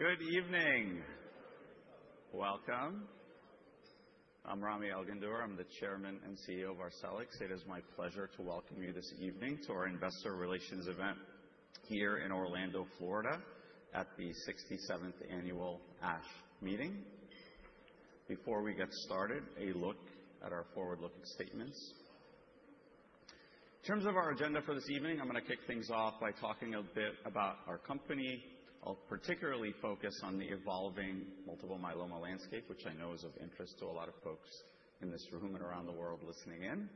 Good evening. Welcome. I'm Rami Elghandour. I'm the Chairman and CEO of Arcellx. It is my pleasure to welcome you this evening to our investor relations event here in Orlando, Florida at the 67th annual ASH meeting. Before we get started, a look at our forward-looking statements. In terms of our agenda for this evening, I'm going to kick things off by talking a bit about our company. I'll particularly focus on the evolving multiple myeloma landscape, which I know is of interest to a lot of folks in this room and around the world listening in.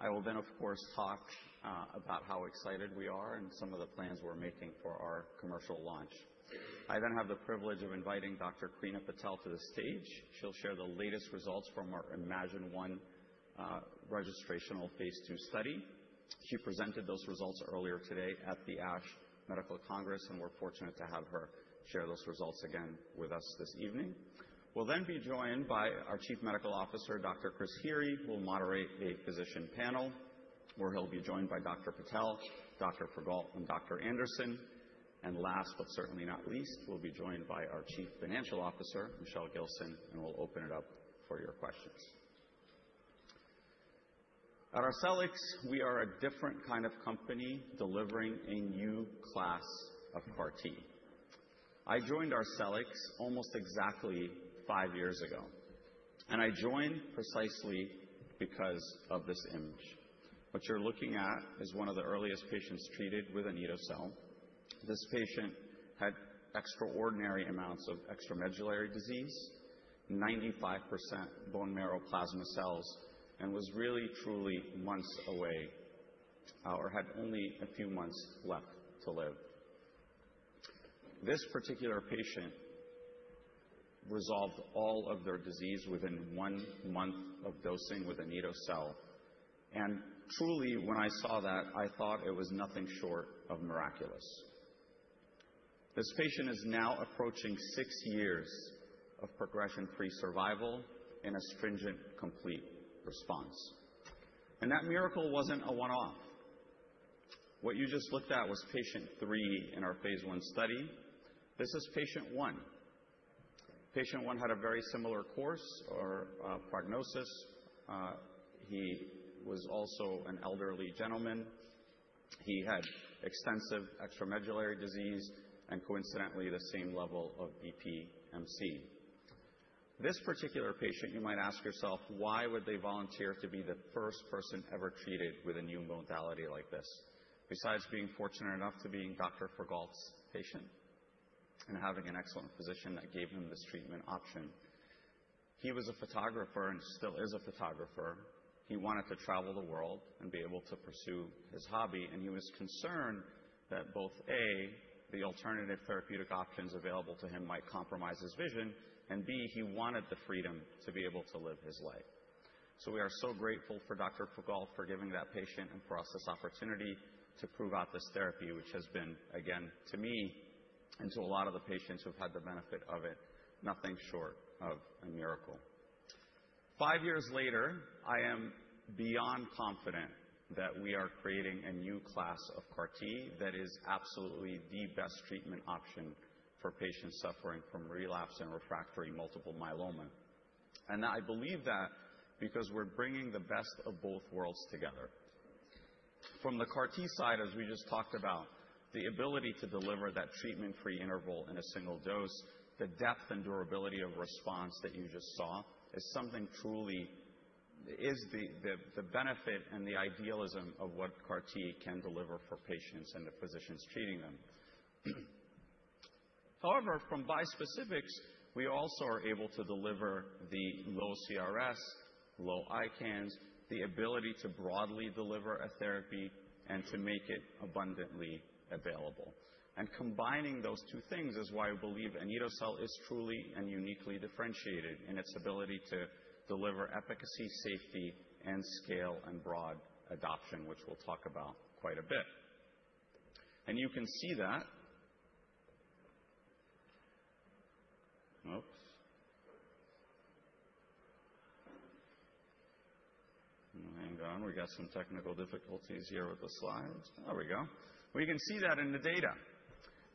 I will then of course talk about how excited we are and some of the plans we're making for our commercial launch. I then have the privilege of inviting Dr. Krina Patel to the stage. She'll share the latest results from our iMMagine-1 registration phase two study. She presented those results earlier today at the ASH Medical Congress, and we're fortunate to have her share those results again with us this evening. We'll then be joined by our Chief Medical Officer, Dr. Christopher Heery, who will moderate a physician panel where he'll be joined by Dr. Patel, Dr. Frigault and Dr. Anderson. And last but certainly not least, we'll be joined by our Chief Financial Officer, Michelle Gilson. And we'll open it up for your questions. At Arcellx, we are a different kind of company delivering a new class of CAR T. I joined Arcellx almost exactly five years ago and I joined precisely because of this image. What you're looking at is one of the earliest patients treated with an anito-cel. This patient had extraordinary amounts of extramedullary disease, 95% bone marrow plasma cells and was really truly months away or had only a few months left to live. This particular patient resolved all of their disease within one month of dosing with anito-cel, and truly when I saw that, I thought it was nothing short of miraculous. This patient is now approaching six years of progression-free survival and stringent complete response. And that miracle wasn't a one off. What you just looked at was patient three in our phase one study. This is patient one. Patient one had a very similar course or prognosis. He was also an elderly gentleman. He had extensive extramedullary disease and coincidentally the same level of EMD. This particular patient, you might ask yourself why would they volunteer to be the first person ever treated with a new modality like this? Besides being fortunate enough to being Dr. Goggins' patient and having an excellent physician that gave him this treatment option? He was a photographer and still is a photographer. He wanted to travel the world and be able to pursue his hobby. He was concerned that both, A, the alternative therapeutic options available to him might compromise his vision and B, he wanted the freedom to be able to live his life. We are so grateful for Dr. Frigault for giving that patient and for us this opportunity to prove out this therapy, which has been, again, to me and to a lot of the patients who have had the benefit of it, nothing short of a miracle. Five years later, I am beyond confident that we are creating a new class of CAR T that is absolutely the best treatment option for patients suffering from relapse and refractory multiple myeloma. I believe that because we're bringing the best of both worlds together. From the CAR T side, as we just talked about, the ability to deliver that treatment-free interval in a single dose, the depth and durability of response that you just saw is something truly the benefit and the idealism of what CAR T can deliver for patients and the physicians treating them. However, from bispecifics, we also are able to deliver the low CRS, low ICANS, the ability to broadly deliver a therapy and to make it abundantly available. And combining those two things is why I believe anito-cel is truly and uniquely differentiated in its ability to deliver efficacy, safety and scale and broad adoption, which we'll talk about quite a bit. And you can see that. Oops. Hang on, we got some technical difficulties here with the slides. There we go. We can see that in the data.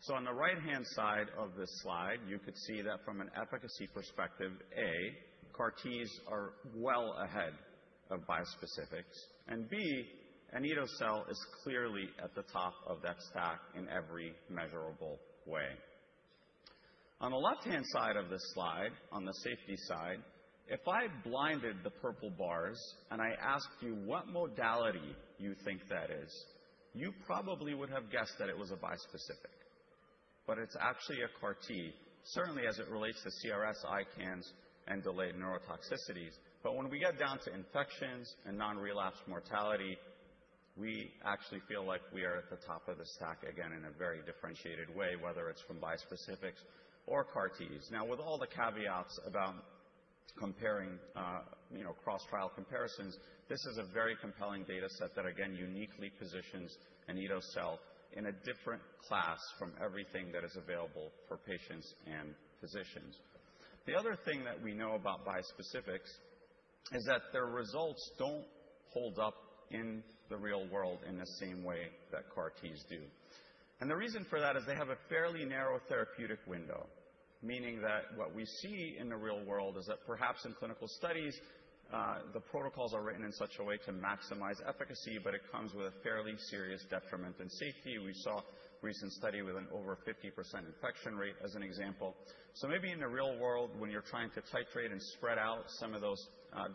So on the right hand side of this slide, you could see that from an efficacy perspective, A, CAR Ts are well ahead of bispecifics and B, anito-cel is clearly at the top of that stack in every measurable way. On the left hand side of this slide, on the safety side, if I blinded the purple bars and I asked you what modality you think that is, you probably would have guessed that it was a bispecific. But it's actually a CAR T certainly as it relates to CRS, ICANS, and delayed neurotoxicities. But when we get down to infections and non-relapse mortality, we actually feel like we are at the top of the stack again in a very differentiated way, whether it's from bispecifics or CAR T's. Now, with all the caveats about comparing, you know, cross-trial comparisons, this is a very compelling data set that again uniquely positions anito-cel in a different class from everything that is available for patients and physicians. The other thing that we know about bispecifics is that their results don't hold up in the real world in the same way that CAR T's do. And the reason for that is they have a fairly narrow therapeutic window. Meaning that what we see in the real world is that perhaps in clinical studies the protocols are written in such a way to maximize efficacy, but it comes with a fairly serious detriment in safety. We saw a recent study with an over 50% infection rate as an example, so maybe in the real world, when you're trying to titrate and spread out some of those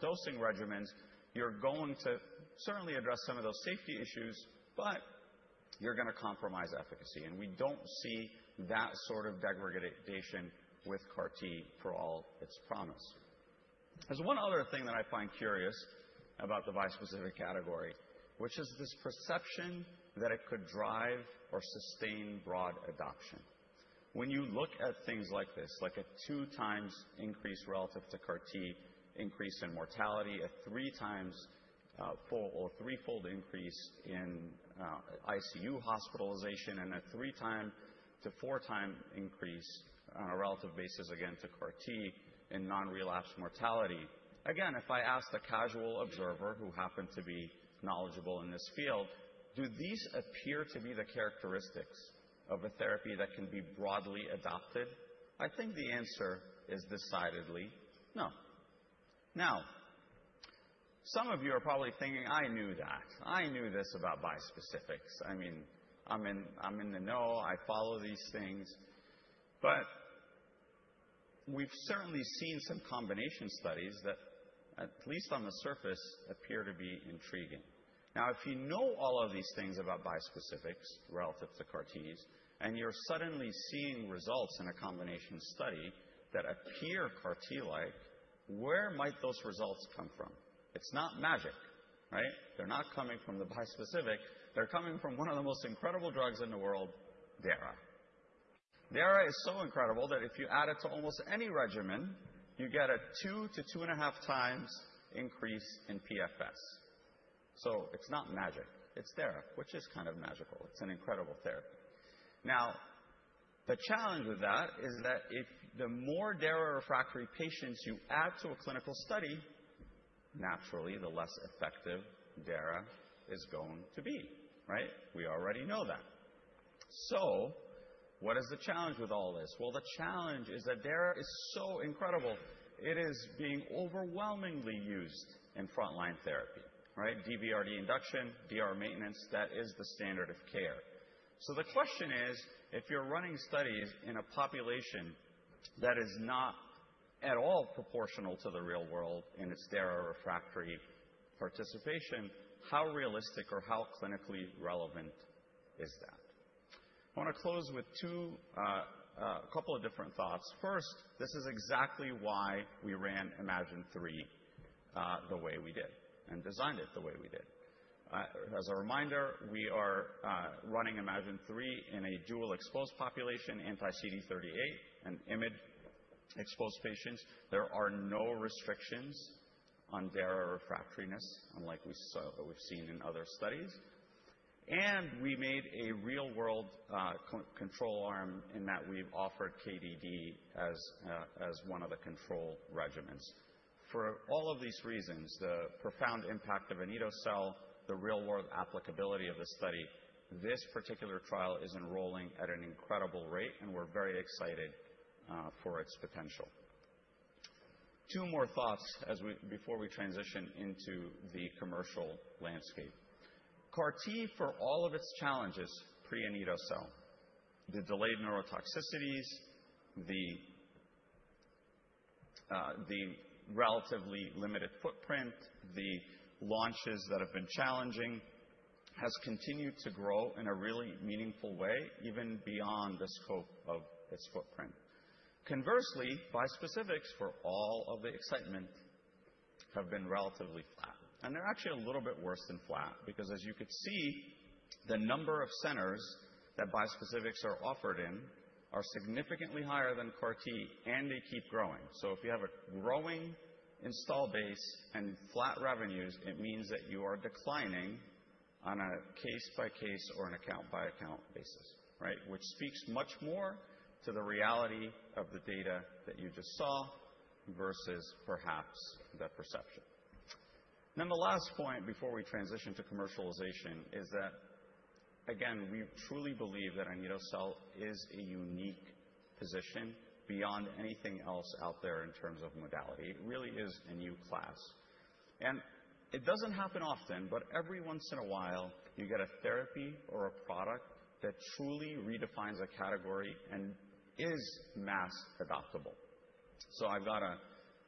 dosing regimens, you're going to certainly address some of those safety issues, but you're going to compromise efficacy, and we don't see that sort of degradation with CAR T for all its promise. There's one other thing that I find curious about the bispecific category, which is this perception that it could drive or sustain broad adoption. When you look at things like this, like a two times increase relative to CAR T increase in mortality, a three times or threefold increase in ICU hospitalization, and a three- to four-time increase on a relative basis again to CAR T and non-relapse mortality again. If I asked a casual observer who happened to be knowledgeable in this field, do these appear to be the characteristics of a therapy that can be broadly adopted? I think the answer is decidedly no. Now, now some of you are probably thinking, I knew that I knew this about bispecifics. I mean, I'm in the know, I follow these things. But. We've certainly seen some combination studies that at least on the surface appear to be intriguing. Now, if you know all of these things about bispecifics relative to CAR T and you're suddenly seeing results in a combination study that appear CAR T like, where might those results come from? It's not magic, right? They're not coming from the bispecific. They're coming from one of the most incredible drugs in the world, Dara. Dara is so incredible that if you add it to almost any regimen, you get a two to two and a half times increase in pfs. So it's not magic, it's Dara, which is kind of magical. It's an incredible therapy. Now the challenge with that is that if the more Dara refractory patients you add to a clinical study, naturally, the less effective Dara is going to be. Right? We already know that. What is the challenge with all this? Well, the challenge is that Dara is so incredible it is being overwhelmingly used in frontline therapy, right? DVRD induction, DVRD maintenance, that is the standard of care. So the question is, if you're running studies in a population that is not at all proportional to the real world in its third-refractory participation, how realistic or how clinically relevant is that? I want to close with a couple of different thoughts. First, this is exactly why we ran iMMagine-3 the way we did and designed it the way we did. As a reminder, we are running iMMagine-3 in a dual-exposed population, anti-CD38 and IMiD-exposed patients. There are no restrictions on Dara refractoriness unlike we've seen in other studies. And we made a real world control arm in that we've offered KdD as one of the control regimens for all of these reasons, the profound impact of anito-cel, the real world applicability of the study. This particular trial is enrolling at an incredible rate and we're very excited for its potential. Two more thoughts before we transition into the commercial landscape. CAR T for all of its challenges pre anito-cel, the delayed neurotoxicities, the. Relatively limited footprint, the launches that have been challenging has continued to grow in a really meaningful way, even beyond the scope of its footprint. Conversely, bispecifics, for all of the excitement, have been relatively flat, and they're actually a little bit worse than flat because as you could see, the number of centers that bispecifics are offered in are significantly higher than CAR T and they keep growing. So if you have a growing install base and flat revenues, it means that you are declining on a case by case or an account by account basis, right? Which speaks much more to the reality of the data that you just saw versus perhaps the percentage. Then the last point before we transition to commercialization is that again, we truly believe that anito-cel is uniquely positioned beyond anything else out there in terms of modality. It really is a new class and it doesn't happen often, but every once in a while you get a therapy or a product that truly redefines a category and is mass adoptable. So I've got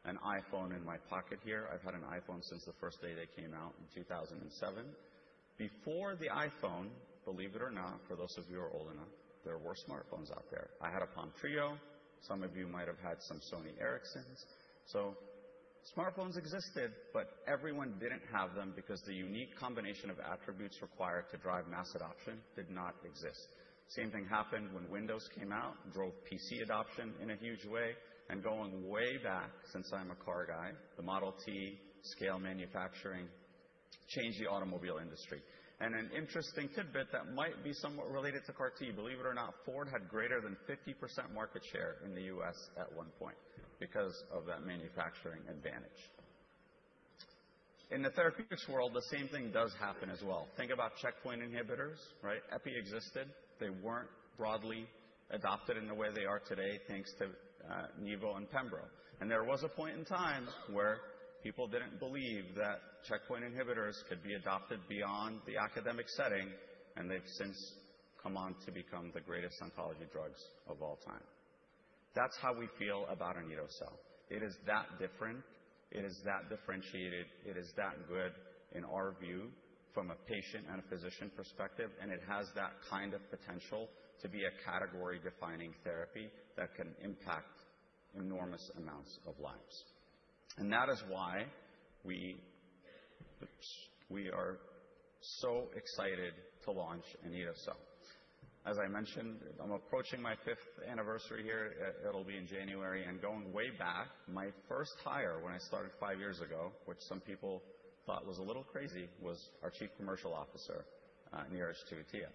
an iPhone in my pocket here. I've had an iPhone since the first day they came out in 2007. Before the iPhone, believe it or not, for those of you who are old enough, there were smartphones out there. I had a Palm Treo. Some of you might have had some Sony Ericssons. So smartphones existed, but everyone didn't have them because the unique combination of attributes required to drive mass adoption did not exist. Same thing happened when Windows came out. Drove PC adoption in a huge way. And going way back, since I'm a car guy, the Model T scale manufacturing changed the automobile industry. An interesting tidbit that might be somewhat related to CAR T. Believe it or not, Ford had greater than 50% market share in the U.S. at one point because of that manufacturing advantage. In the therapeutics world, the same thing does happen as well. Think about checkpoint inhibitors, right? Yervoy existed. They weren't broadly adopted in the way they are today, thanks to Nivo and Pembro. And there was a point in time where people didn't believe that checkpoint inhibitors could be adopted beyond the academic setting. And they've since come on to become the greatest oncology drugs of all time. That's how we feel about our anito-cel. It is that different. It is that differentiated. It is that good in our view from a patient and a physician perspective. And it has that kind of potential to be a category defining therapy that can impact enormous amounts of lives. And that is why we. We are so excited to launch anito-cel. As I mentioned, I'm approaching my fifth anniversary here. It'll be in January, and going way back, my first hire when I started five years ago, which some people thought was a little crazy, was our Chief Commercial Officer, Neeraj Teotia.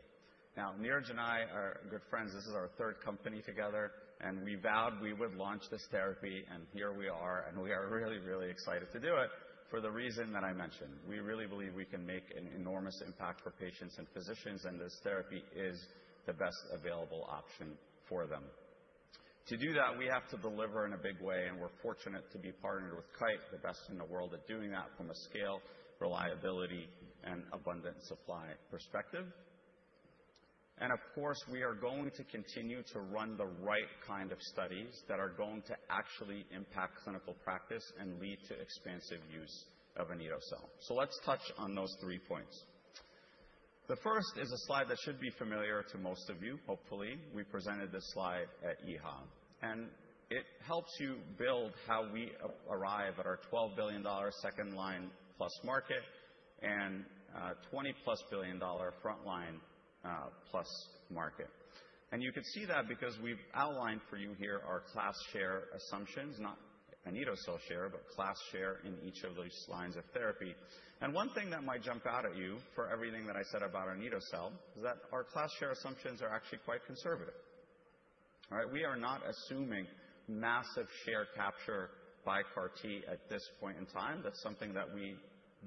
Now Neeraj and I are good friends. This is our third company together, and we vowed we would launch this therapy, and here we are, and we are really, really excited to do it for the reason that I mentioned. We really believe we can make an enormous impact for patients and physicians, and this therapy is the best available option for them. To do that we have to deliver in a big way, and we're fortunate to be partnered with Kite, the best in the world at doing that from a scale reliability and abundant supply perspective. Of course we are going to continue to run the right kind of studies that are going to actually impact clinical practice and lead to expansive use of anito-cel. So let's touch on those three points. The first is a slide that should be familiar to most of you, hopefully. We presented this slide at EHA and it helps you build how we arrive at our $12 billion second-line+ market and $20+ billion frontline+ market. And you can see that because we've outlined for you here our class share assumptions, not anito-cel share, but class share in each of those lines of therapy. And one thing that might jump out at you for everything that I said about our anito-cel is that our class share assumptions are actually quite conservative. All right. We are not assuming massive share capture by CAR T at this point in time. That's something that we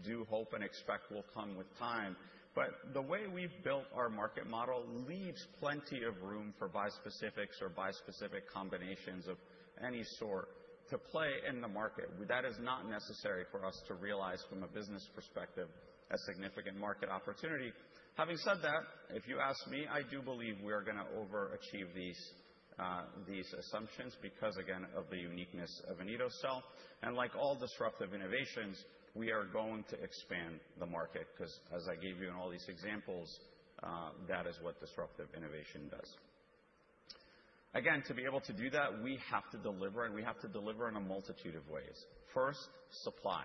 do hope and expect will come with time. But the way we've built our market model leaves plenty of room for bispecifics or bispecific combinations of any sort to play in the market. That is not necessary for us to realize from a business perspective a significant market opportunity. Having said that, if you ask me, I do believe we are going to overachieve these assumptions because again of the uniqueness of anito-cel. And like all disruptive innovations, we are going to expand the market because as I gave you in all these examples, that is what disruptive innovation does. Again, to be able to do that we have to deliver and we have to deliver in a multitude of ways. First, supply.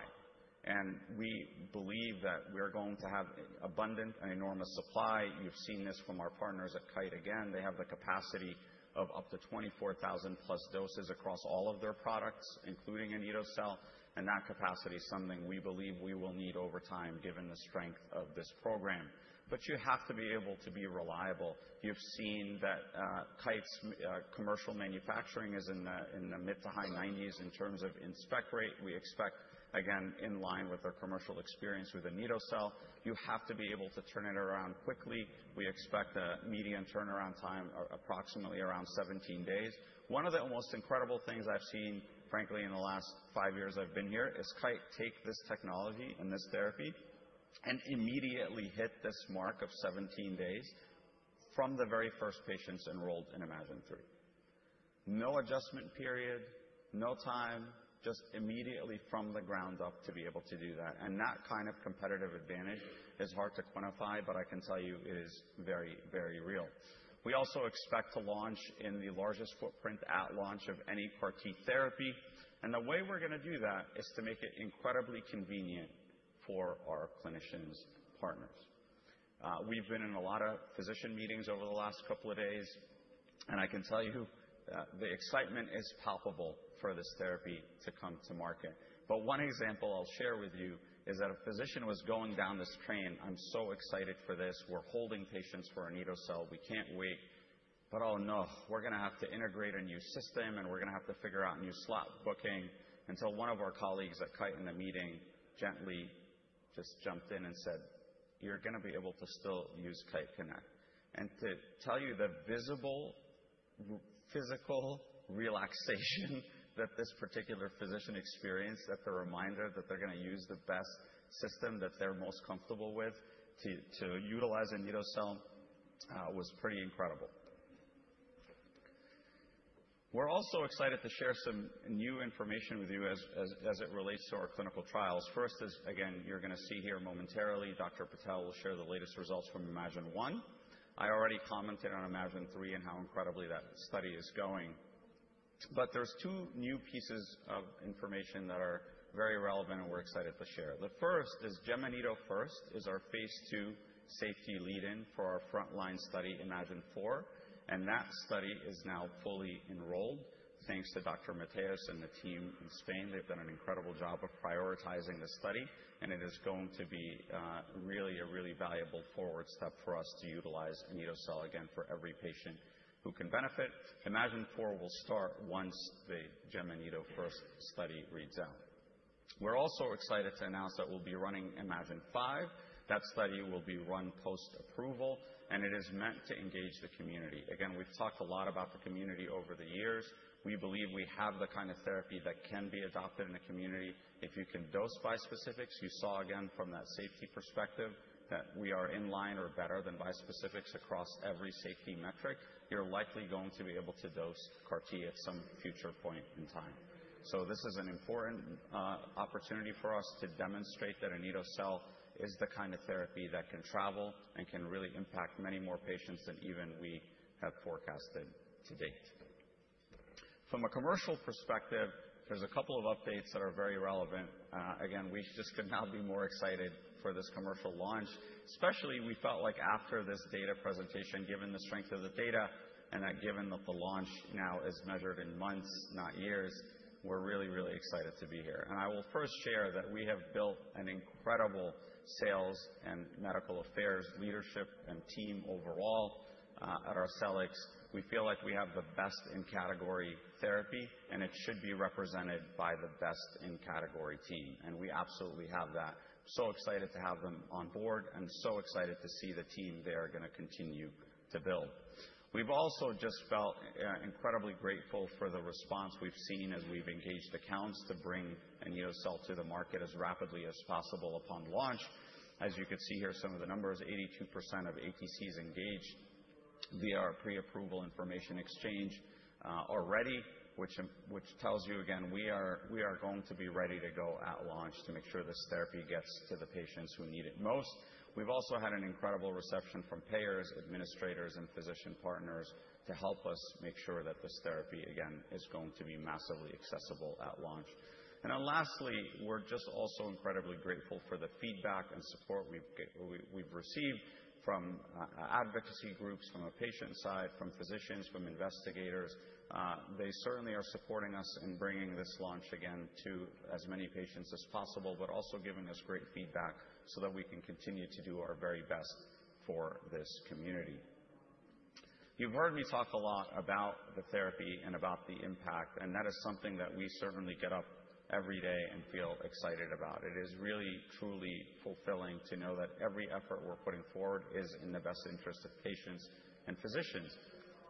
And we believe that we're going to have abundant and enormous supply. You've seen this from our partners at Kite. Again they have the capacity of up to 24,000 plus doses across all of their products, including anito-cel. And that capacity is something we believe we will need over time given the strength of this program. But you have to be able to be reliable. You've seen that Kite's commercial manufacturing is in the mid- to high 90s% in terms of in-spec rate. We expect again in line with our commercial experience with anito-cel, you have to be able to turn it around quickly. We expect a median turnaround time approximately around 17 days. One of the most incredible things I've seen, frankly in the last five years I've been here, is take this technology and this therapy and immediately hit this mark of 17 days from the very first patients enrolled in iMMagine-3. No adjustment period, no time, just immediately from the ground up to be able to do that. And that kind of competitive advantage is hard to quantify but I can tell you it is very, very real. We also expect to launch in the largest footprint at launch of any CAR T therapy. And the way we're going to do that is to make it incredibly convenient for our clinician partners. We've been in a lot of physician meetings over the last couple of days and I can tell you the excitement is palpable for this therapy to come to market. But one example I'll share with you is that a physician was going down this train. "I'm so excited for this. We're holding patients for anito-cel. We can't wait. But oh no, we're going to have to integrate a new system and we're going to have to figure out new slot booking," until one of our colleagues at Kite in the meeting gently just jumped in and said, "you're going to be able to still use Kite Connect." And to tell you the visible physical relaxation that this particular physician experienced at the reminder that they're going to use the best system that they're most comfortable with to utilize anito-cel was pretty incredible. We're also excited to share some new information with you as it relates to our clinical trials. First, as again you're going to see here momentarily, Dr. Patel will share the latest results from iMMagine-1. I already commented on iMMagine-3 and how incredibly that study is going, but there's two new pieces of information that are very relevant and we're excited to share. The first is Anito-First. Anito-First is our phase two safety lead-in for our frontline study, iMMagine-4. And that study is now fully enrolled thanks to Dr. Mateos and the team in Spain. They've done an incredible job of prioritizing the study and it is going to be really a valuable forward step for us to utilize anito-cel again for every patient who can benefit. iMMagine-4 will start once the Anito-First study reads out. We're also excited to announce that we'll be running iMMagine-5. That study will be run post approval and it is meant to engage the community again. We've talked a lot about the community over the years. We believe we have the kind of therapy that can be adopted in the community if you can dose bispecifics. You saw again from that safety perspective that we are in line or better than bispecifics across every safety metric. You're likely going to be able to dose CAR T at some future point in time. So this is an important opportunity for us to demonstrate that anito-cel is the kind of therapy that can travel and can really impact many more patients than even we have forecasted to date. From a commercial perspective, there's a couple of updates that are very relevant. Again, we just could not be more excited for this commercial launch. Especially we felt like after this data presentation, given the strength of the data and that given that the launch now is measured in months, not years, we're really, really excited to be here and I will first share that we have built an incredible sales and medical affairs leadership and team overall at Arcellx. We feel like we have the best in category therapy and it should be represented by the best in category team. And we absolutely have that, so excited to have them on board and so excited to see the team they are going to continue to build. We've also just felt incredibly grateful for the response we've seen as we've engaged accounts to bring an anito-cel to the market as rapidly as possible upon launch. As you can see here, some of the numbers, 82% of ATCs engaged via our pre-approval information exchange already, which tells you again, we are going to be ready to go at launch to make sure this therapy gets to the patients who need it most. We've also had an incredible reception from payers, administrators and physician partners to help us make sure that this therapy again is going to be massively accessible at launch, and then lastly, we're just also incredibly grateful for the feedback and support we've received from advocacy groups, from a patient side, from physicians, from investigators. They certainly are supporting us in bringing this launch again to as many patients as possible, but also giving us great feedback so that we can continue to do our very best for this community. You've heard me talk a lot about the therapy and about the impact and that is something that we certainly get up every day and feel excited. It is really, truly fulfilling to know that every effort we're putting forward is in the best interest of patients and physicians,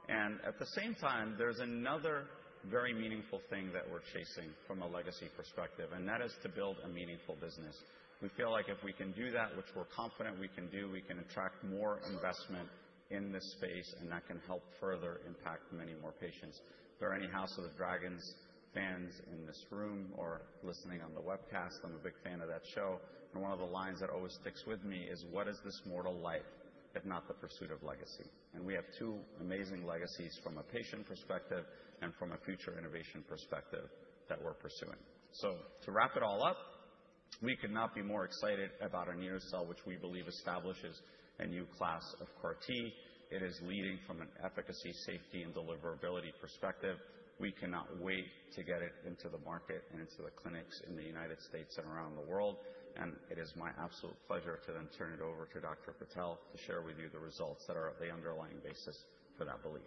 and at the same time, there's another very meaningful thing that we're chasing from a legacy perspective and that is to build a meaningful business. We feel like if we can do that, which we're confident we can do, we can attract more investment in this space and that can help further impact many more patients. Are there any House of the Dragon fans in this room or listening on the webcast? I'm a big fan of that show and one of the lines that always sticks with me is what is this mortal life if not the pursuit of legacy? We have two amazing legacies from a patient perspective and from a future innovation perspective that we're pursuing. To wrap it all up, we could not be more excited about our anito-cel, which we believe establishes a new class of CAR T. It is leading from an efficacy, safety and deliverability perspective. We cannot wait to get it into the market and into the clinics in the United States and around the world. It is my absolute pleasure to then turn it over to Dr. Patel to share with you the results that are of the underlying basis for that belief.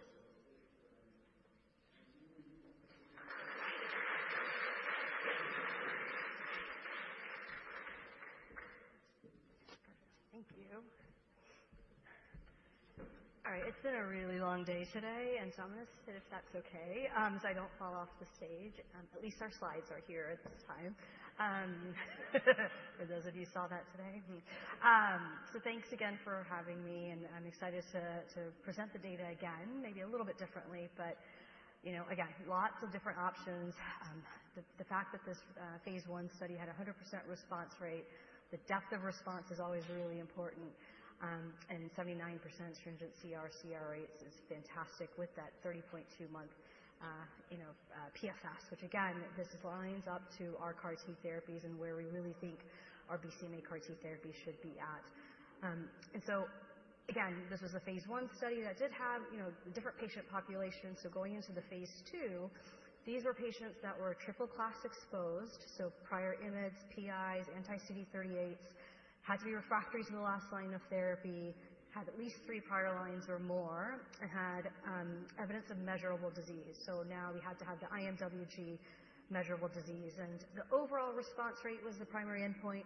Thank you. All right, it's been a really long day today and so I'm going to sit, if that's okay. So I don't fall off the stage. At least our slides are here at this time. For those of you who saw that today. So thanks again for having me and I'm excited to present the data again. Maybe a little bit differently, but you know, again, lots of different options. The fact that this phase one study had 100% response rate, the depth of response is always really important. And 79% stringent sCR rates is fantastic with that 30.2-month, you know, PFS which again this lines up to our CAR T therapies and where we really think our BCMA CAR T therapy should be at. And so again this was a phase one study that did have, you know, different patient population. So going into the phase two, these were patients that were triple-class exposed. So prior IMiDs, PIs, anti-CD38s had to be refractory to the last line of therapy, had at least three prior lines or more and had evidence of measurable disease. So now we had to have the IMWG measurable disease and the overall response rate was the primary endpoint.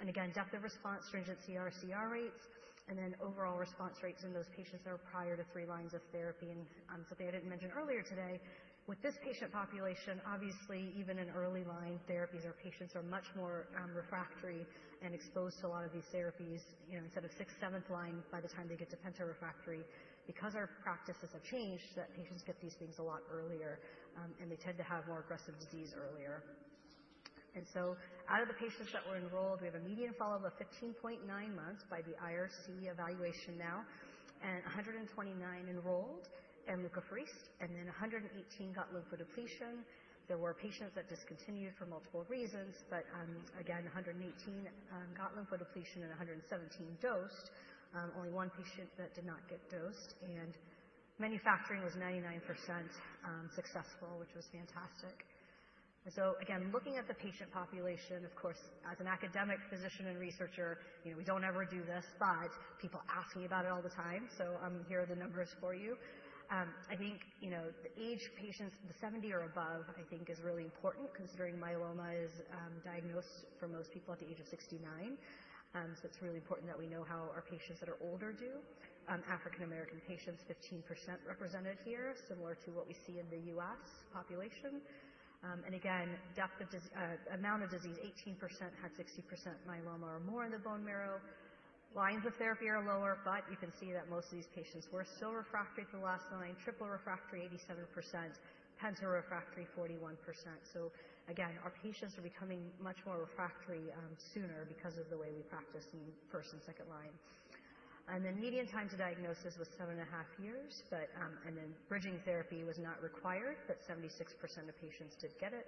And again depth of response, stringent CR rates and then overall response rates in those patients that are prior to three lines of therapy. And something I didn't mention earlier today, with this patient population, obviously even in early line therapies, our patients are much more refractory and exposed to a lot of these therapies, you know, instead of sixth, seventh line by the time they get to penta-refractory, because our practices have changed that patients get these things a lot earlier and they tend to have more aggressive disease earlier. And so, out of the patients that were enrolled, we have a median follow-up of 15.9 months by the IRC evaluation now, and 129 enrolled and leukapheresis, and then 118 got lymphodepletion. There were patients that discontinued for multiple reasons, but again, 118 got lymphodepletion and 117 dosed. Only one patient that did not get dosed, and manufacturing was 99% successful, which was fantastic. So again, looking at the patient population, of course, as an academic physician and researcher, you know, we don't ever do this, but people ask me about it all the time. So here are the numbers for you. I think, you know, the age patients, the 70 or above I think is really important considering myeloma is diagnosed for most people at the age of 69. So it's really important that we know how our patients that are older do. African American patients, 15% represented here, similar to what we see in the U.S. population, and again depth of amount of disease, 18% had 60% myeloma or more in the bone marrow. Lines of therapy are lower, but you can see that most of these patients were still refractory for the last line. Triple refractory 87%, penta refractory 41%. Our patients are becoming much more refractory sooner because of the way we practice in first and second line, and then median time to diagnosis was seven and a half years, but bridging therapy was not required, but 76% of patients did get it.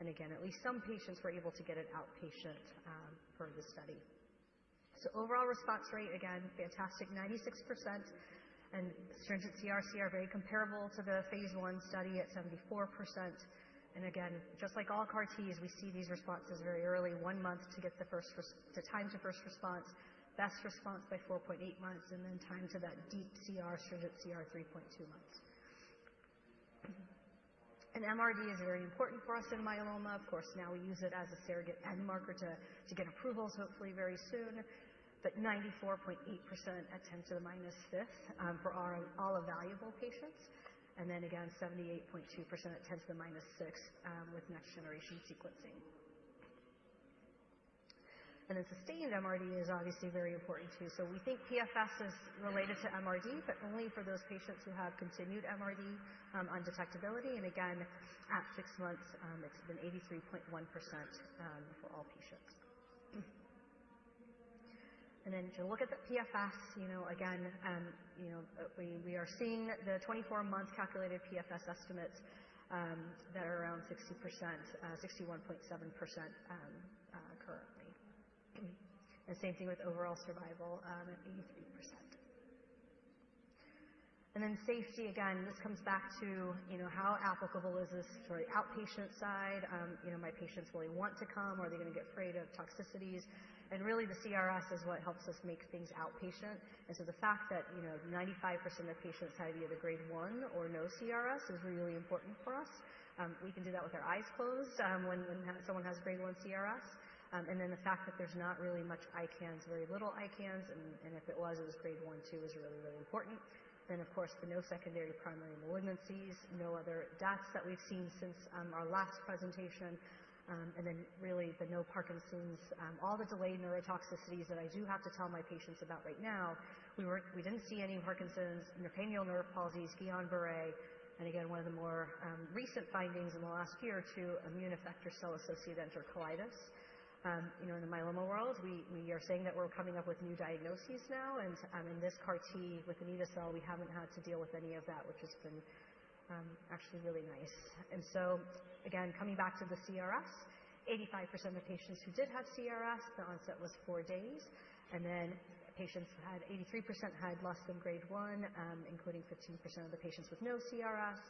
And again at least some patients were able to get it outpatient for the study, so overall response rate again fantastic, 96%, and stringent sCR are very comparable to the phase one study at 74%. Again, just like all CAR Ts, we see these responses very early. One month to get the first time to first response, best response by 4.8 months, and then time to that deep sCR 3.2 months. An MRD is very important for us in myeloma. Of course now we use it as a surrogate endpoint to get approvals hopefully very soon. But 94.8% at 10 to the minus fifth for our overall evaluable patients and then again 78.2%, 10 to the minus six with next generation sequencing. And then sustained MRD is obviously very important too. So we think PFS is related to MRD, but only for those patients who have continued MRD undetectability. And again at six months it's been 83.1% for all patients. And then, to look at the PFS, you know, again, you know, we are seeing the 24-month calculated PFS estimates that are around 60%, 61.7%. Currently, the same thing with overall survival at 83%. And then safety again. This comes back to, you know, how applicable is this for the outpatient side? You know, my patients really want to come. Are they going to get of toxicities? And really the CRS is what helps us make things outpatient. And so the fact that, you know, 95% of patients have either grade one or no CRS is really important for us. We can do that with our eyes closed when someone has grade one CRS. And then the fact that there's not really much ICANS, very little ICANS, and if it was, it was grade one two is really, really important. Then of course the no secondary primary malignancies, no other deaths that we've seen since our last presentation and then really the no Parkinson's, all the delayed neurotoxicities that I do have to tell my patients about right now. We didn't see any Parkinson's, cranial nerve palsies, Guillain-Barré and again, one of the more recent findings in the last year to immune effector cell-associated enterocolitis. You know, in the myeloma world, we are saying that we're coming up with new diagnoses now. And in this CAR T with the anito-cel we haven't had to deal with any of that, which has been actually really nice. And so again, coming back to the CRS, 85% of patients who did have CRS, the onset was four days and then 83% had less than grade one, including 15% of the patients with no CRS.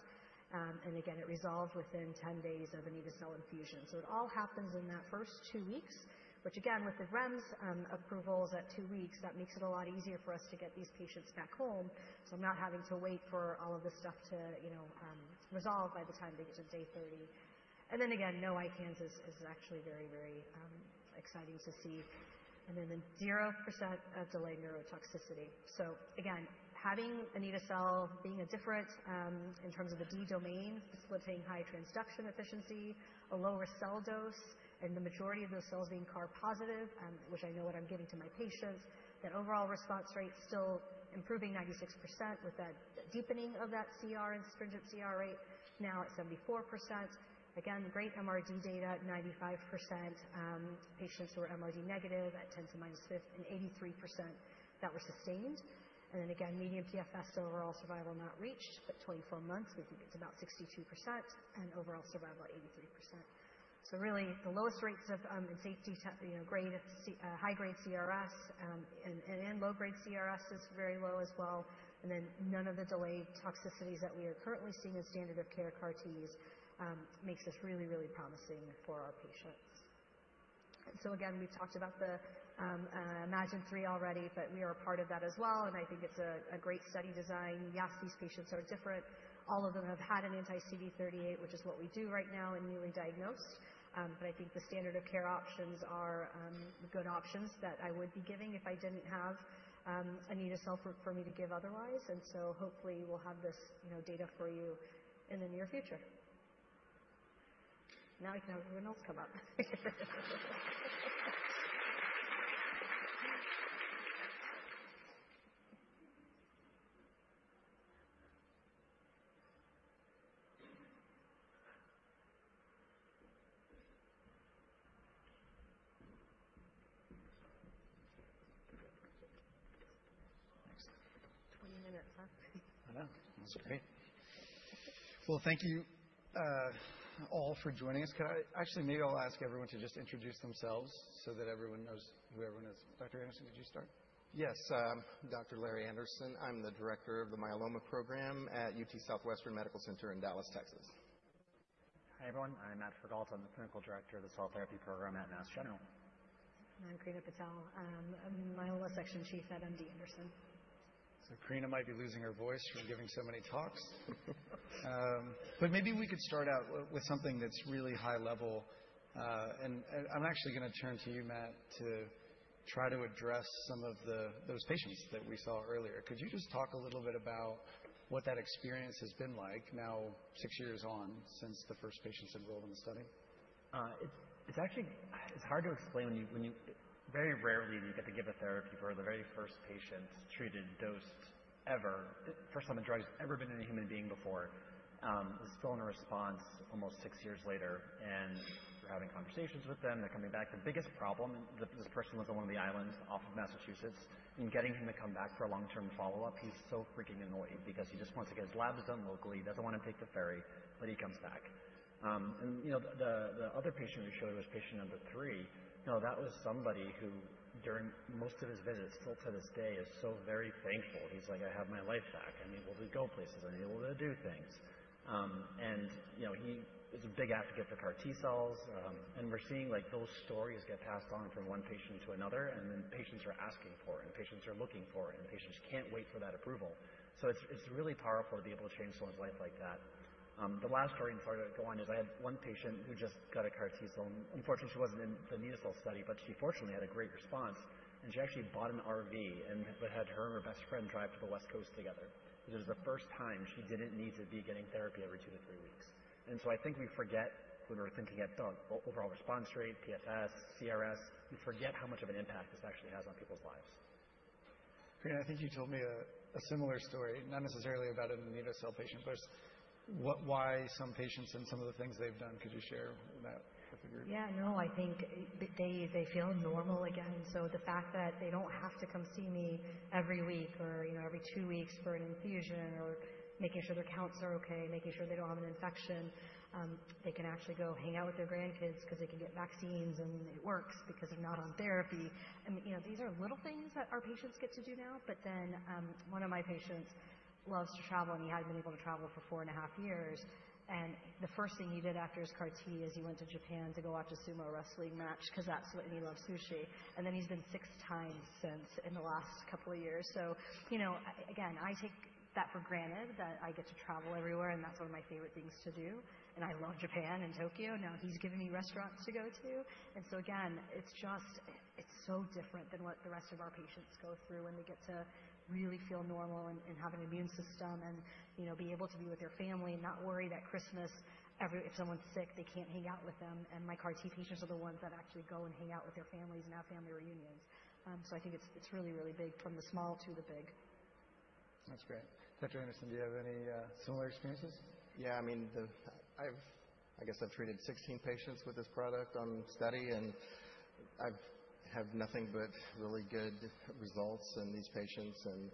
And again it resolved within 10 days of an anito-cel infusion. So it all happens in that first two weeks, which again with the REMS approvals at two weeks, that makes it a lot easier for us to get these patients back home. So I'm not having to wait for all of this stuff to, you know, resolve by the time they get to day 30. And then again, no ICANS is actually very, very exciting to see. And then the 0% of delayed neurotoxicity. So again having anito-cel being a different in terms of the D-Domain splitting, high transduction efficiency, a lower cell dose and the majority of those cells being CAR positive, which I know what I'm giving to my patients, that overall response rate still improving 96% with that deepening of that CR and stringent CR rate now at 74%. Again, great MRD data, 95% patients who are MRD negative at 10 to the minus 5th and 83% that were sustained and then again median PFS, overall survival not reached, but 24 months, we think it's about 62% and overall survival at 83%. So really the lowest rates of safety, high-grade CRS and low-grade CRS is very low as well. And then none of the delayed toxicities that we are currently seeing as standard of care CAR Ts makes this really, really promising for our patients. So again, we've talked about the iMMagine-3 already, but we are part of that as well. And I think it's a great study design. Yes, these patients are different. All of them have had an anti-CD38, which is what we do right now, and newly diagnosed. But I think the standard of care options are good options that I would be giving if I didn't have anito-cel for me to give otherwise. And so hopefully we'll have this data for you in the near future. Now I can have everyone else come up. I know that's great. Thank you all for joining us. Could I actually? Maybe I'll ask everyone to just introduce themselves so that everyone knows who everyone is. Dr. Anderson, could you start? Yes. I'm Dr. Larry Anderson. I'm the director of the myeloma program at UT Southwestern Medical Center in Dallas, Texas. Hi everyone, I'm Matt Frigault. I'm the Clinical Director of the cell therapy program at Mass General. I'm Krina Patel, myeloma section chief at MD Anderson. Krina might be losing her voice from giving so many talks. But maybe we could start out with something that's really high level. And I'm actually going to turn to you, Matt, to try to address some of those patients that we saw earlier. Could you just talk a little bit about what that experience has been like now six years on since the first? Patients enrolled in the study. It's actually. It's hard to explain. Very rarely do you get to give a therapy for the very first patients treated dose ever. First time a drug has ever been in a human being before is still in a response almost six years later, and we're having conversations with them. They're coming back. The biggest problem this person lives on one of the islands off of Massachusetts. In getting him to come back for a long term follow up, he's so freaking annoyed because he just wants to get his labs done locally, doesn't want to take the ferry, but he comes back and you know, the other patient we showed was patient number three, no, that was somebody who during most of his visits still to this day is so very thankful. He's like, I have my life back. I'm able to go places, I'm able to do things. You know, he is a big advocate for CAR T cells and we're seeing like those stories get passed on from one patient to another and then patients are asking for it and patients are looking for it and patients can't wait for that approval. So it's really powerful to be able to change someone's life like that. The last heartwarming part of it is I had one patient who just got a CAR T cell. Unfortunately she wasn't in the anito-cel study but she fortunately had a great response and she actually bought an RV and had her and her best friend drive to the West Coast together. This is the first time she didn't need to be getting therapy every two to three weeks. So I think we forget when we're thinking about overall response rate, PFS, CRS. We forget how much of an impact this actually has on people's lives. Krina, I think you told me a similar story, not necessarily about it in the patient, but why some patients and some of the things they've done. Could you share that? Yeah. No, I think they feel normal again. So the fact that they don't have to come see me every week or every two weeks for an infusion or making sure their counts are okay, making sure they don't have an infection, they can actually go hang out with their grandkids because they can get vaccines, and it works because they're not on therapy. And these are little things that our patients get to do now. But then one of my patients loves to travel, and he hadn't been able to travel for four and a half years, and the first thing he did after his CAR T is he went to Japan to go watch a sumo wrestling match, because that's when he loves sushi. And then he's been six times since in the last couple of years. So, you know, again, I take that for granted that I get to travel everywhere, and that's one of my favorite things to do. And I love Japan and Tokyo now. He's given me restaurants to go to. And so, again, it's just. It's so different than what the rest of our patients go through when they get to really feel normal and have an immune system and, you know, be able to be with their family and not worry that Christmas, if someone's sick, they can't hang out with them. And my CAR T patients are the ones that actually go and hang out with their families and have family reunions. So I think it's really, really big. From the small to the big. That's great. Dr. Anderson, do you have any similar experiences? Yeah, I mean. I guess I've treated 16 patients with this product on study, and I have nothing but really good results in these patients. And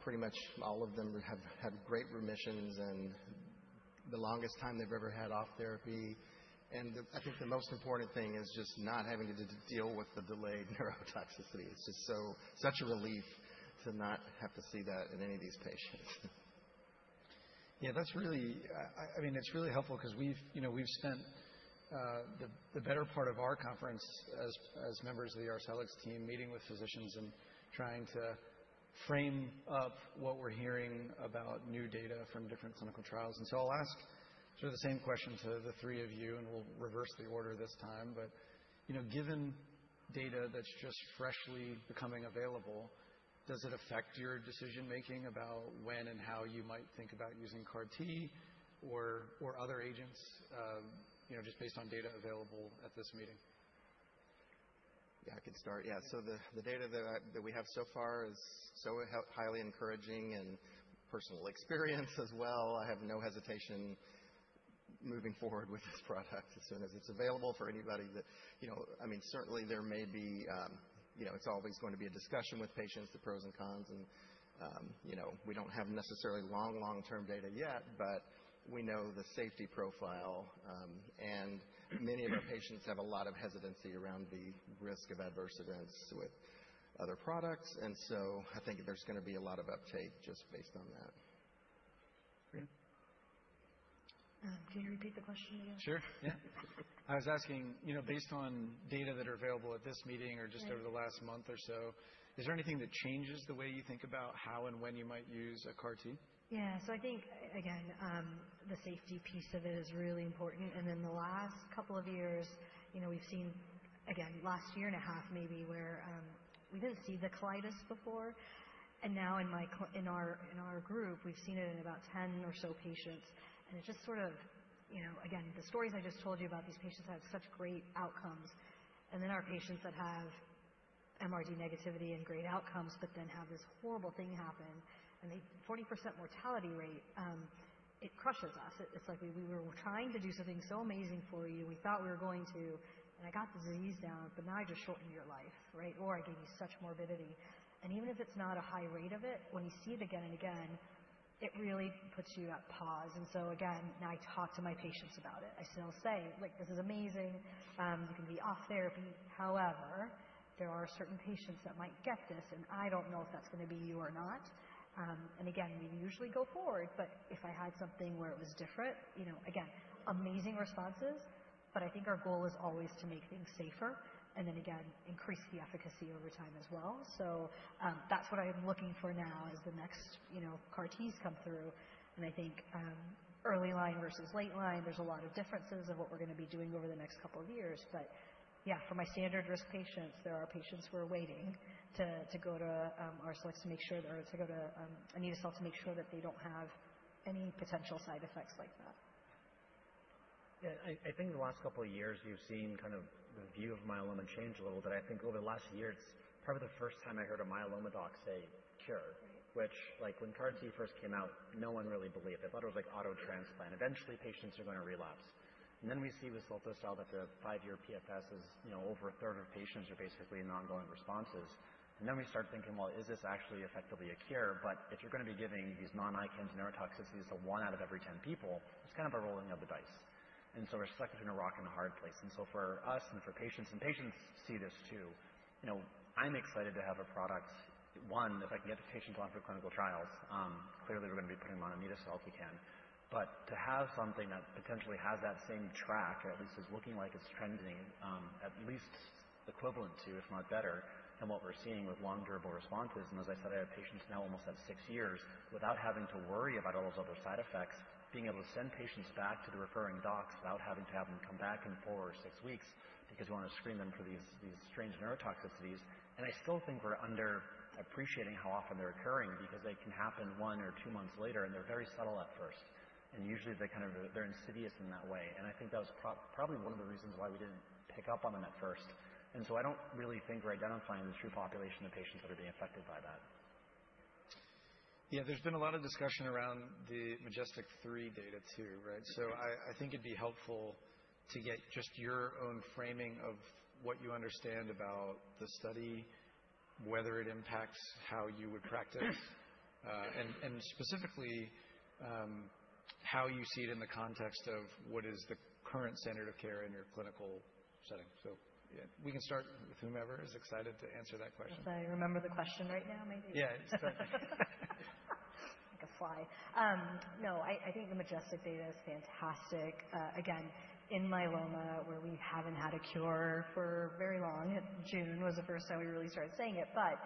pretty much all of them have had great remissions and the longest time they've ever had off therapy. And I think the most important thing is just not having to deal with the delayed neurotoxicity. It's just such a relief to not have to see that in any of these patients. Yeah, that's really helpful because we've, you know, we've spent the better part of our conference as members of the Arcellx team meeting with physicians and trying to frame up what we're hearing about new data from different clinical trials, and so I'll ask sort of the same question to the three of you and we'll reverse the order this time, but you know, given data that's just from freshly becoming available, does it affect your decision making about when and how you might think about using CAR T or other agents, you know, just based on data available at this meeting? Yeah, I could start. Yeah. So the data that we have so far is so highly encouraging and personal experience as well. I have no hesitation moving forward with this product. So. And if it's available for anybody that, you know, I mean, certainly there may be, you know, it's always going to be a discussion with patients, the pros and cons. And you know, we don't have necessarily long, long term data yet, but we know the safety profile and many of our patients have a lot of hesitancy around the risk of adverse events with other products. And so I think there's going to be a lot of uptake just based on that. Can you repeat the question again? Sure, yeah. I was asking, you know, based on data that are available at this meeting or just over the last month or so, is there anything that changes the way you think about how and when you might use a CAR T? Yeah. So I think again, the safety piece of it is really important. And then the last couple of years, you know, we've seen again last year and a half maybe where we didn't see the colitis before. And now in our group, we've seen it in about 10 or so patients. And it just sort of, you know, again, the stories I just told you about these patients had such great outcomes. And then our patients that have MRD negativity and great outcomes but then have this horrible thing happen and the 40% mortality rate, it crushes us. It's like we were trying to do something so amazing for you, we thought we were going to kind of beat the disease down. But now I just shortened your life. Right. Or I gave you such morbidity. And even if it's not a high rate of it, when you see it again and again, it really puts you at pause. And so again I talk to my patients about it. I still say like, this is amazing. You can be off therapy. However, there are certain patients that might get this and I don't know if that's going to be you or not. And again, we usually go forward, but if I had something where it was different you know, again, amazing responses. But I think our goal is always to make things safer and then again increase the efficacy over time as well. So that's what I'm looking for now as the next, you know, CAR T's come through. And I think early line versus late line, there's a lot of differences of what we're going to be doing over the next couple of years. Yeah, for my standard risk patients, there are patients who are waiting to go to our selects, make sure they're to go to make sure that they don't have any potential side effects like that. I think in the last couple of years you've seen kind of the view of myeloma change a little, that I think over the last year. It's probably the first time I heard a myeloma doc say cure, which like when CAR T first came out, no one really believed. They thought it was like auto transplant. Eventually patients are going to relapse, and then we see with cilta-cel that the five-year PFS is, you know, over a third of patients are basically typically in ongoing responses, and then we start thinking, well, is this actually effectively a cure, but if you're going to be giving these non-ICANS neurotoxicities to one out of every 10 people, it's kind of a rolling of the dice, and so we're stuck between a rock and a hard place. For us and for patients, and patients see this too, you know, I'm excited to have a product one if I can get the patient on for clinical trials. Clearly we're going to be putting them on anito-cel if we can. But to have something that potentially has that same track or at least is looking like it's trending at least equivalent to, if not better than, what we're seeing with long, durable responses. As I said, I have patients now almost at six years without having to worry about all those other side effects, being able to send patients back to the referring docs without having to have them come back in four or six weeks because you want to screen them for these strange neurotoxicities. I still think we're underappreciating how often they're occurring because they can happen one or two months later. They're very subtle at first and usually they kind of, they're insidious in that way. I think that was probably one of the reasons why we didn't pick up on them at first. So I don't really think we're identifying the true population of patients that are being affected by that. Yeah. There's been a lot of discussion around the MajesTEC-3 data too. Right. So I think it'd be helpful to get just your own framing of what you understand about the study, whether it impacts how you would practice and specifically how you see it in the context of what is the current standard of care in your clinical setting. So we can start with whomever is excited to answer that question. I remember the question right now maybe. Yeah. Like a fly. No, I think the MajesTEC data is fantastic. Again in myeloma where we've had, we haven't had a cure for very long. June was the first time we really started saying it, but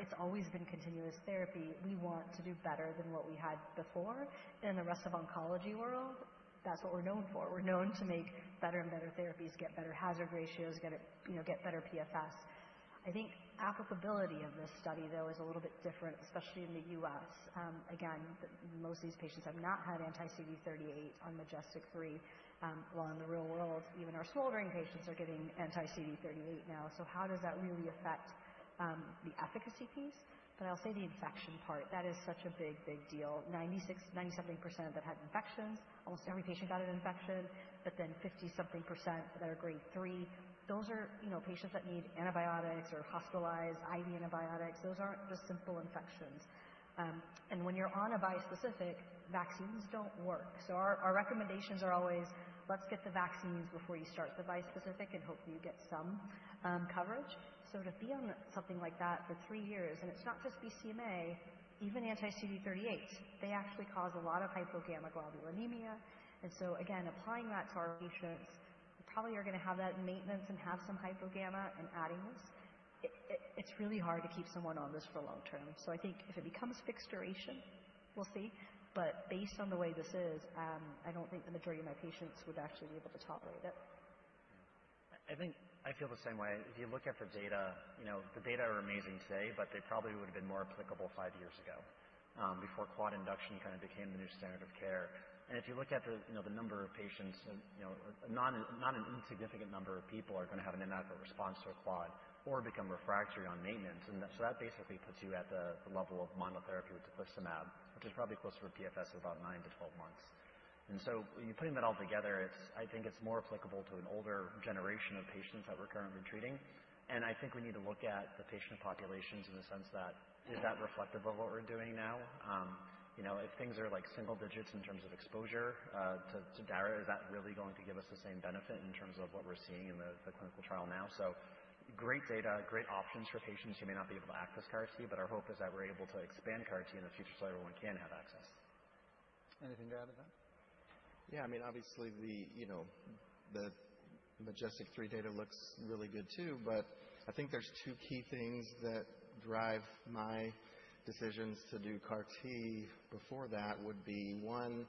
it's always been continuous therapy. We want to do better than what we had before in the rest of oncology world. That's what we're known for. We're known to make better and better therapies, get better hazard ratios, get better PFS. I think applicability of this study though is a little bit different, especially in the U.S. Again most of these patients have not had anti-CD38 on MajesTEC-3 while in the real world even our smoldering patients are getting anti-CD38 now. So how does that really affect the efficacy piece? But I'll say the infection part, that is such a big, big deal. 96%, 90-something% that had infections, almost every patient got an infection. But then 50-something% that are grade three, those are, you know, patients that need antibiotics or hospitalized IV antibiotics, those aren't just simple infections. And when you're on a bispecific, vaccines don't work. So our recommendations are always let's get the vaccines before you start the bispecific and hopefully you get some coverage. So to be on something like that for three years and it's not just BCMA, even anti-CD38s, they actually cause a lot of hypogammaglobulinemia. And so again applying that to our patients probably are going to have that maintenance and have some hypogammaglobulinemia and adding this. It's really hard to keep someone on this for long-term. So I think if it becomes fixed duration, we'll see. But based on the way this is, I don't think the majority of my patients would actually be able to tolerate it. I think I feel the same way. If you look at the data, you know, the data are amazing, say, but they probably would have been more applicable five years ago before quad induction kind of became the new standard of care, and if you look at the, you know, the number of patients, you know, not an insignificant number of people are going to have an inadequate response to a quad or become refractory on maintenance, and so that basically puts you at the level of monotherapy with teclistamab, which is probably closer to PFS of about nine to 12 months, and so you're putting that all together. It's. I think it's more applicable to an older generation of patients that we're currently treating, and I think we need to look at the patient populations in the sense that is that reflective of what we're doing now. You know, if things are like single digits in terms of exposure to Dara, is that really going to give us the same benefit in terms of what we're seeing in the clinical trial now, so great data, great options for patients who may not be able to access CAR T, but our hope is that we're able to expand CAR T in the future so everyone can have access. Anything to add to that? Yeah, I mean, obviously the, you know, the MajesTEC-3 data looks really good too. But I think there's two key things that drive my decisions to do CAR T before that would be one,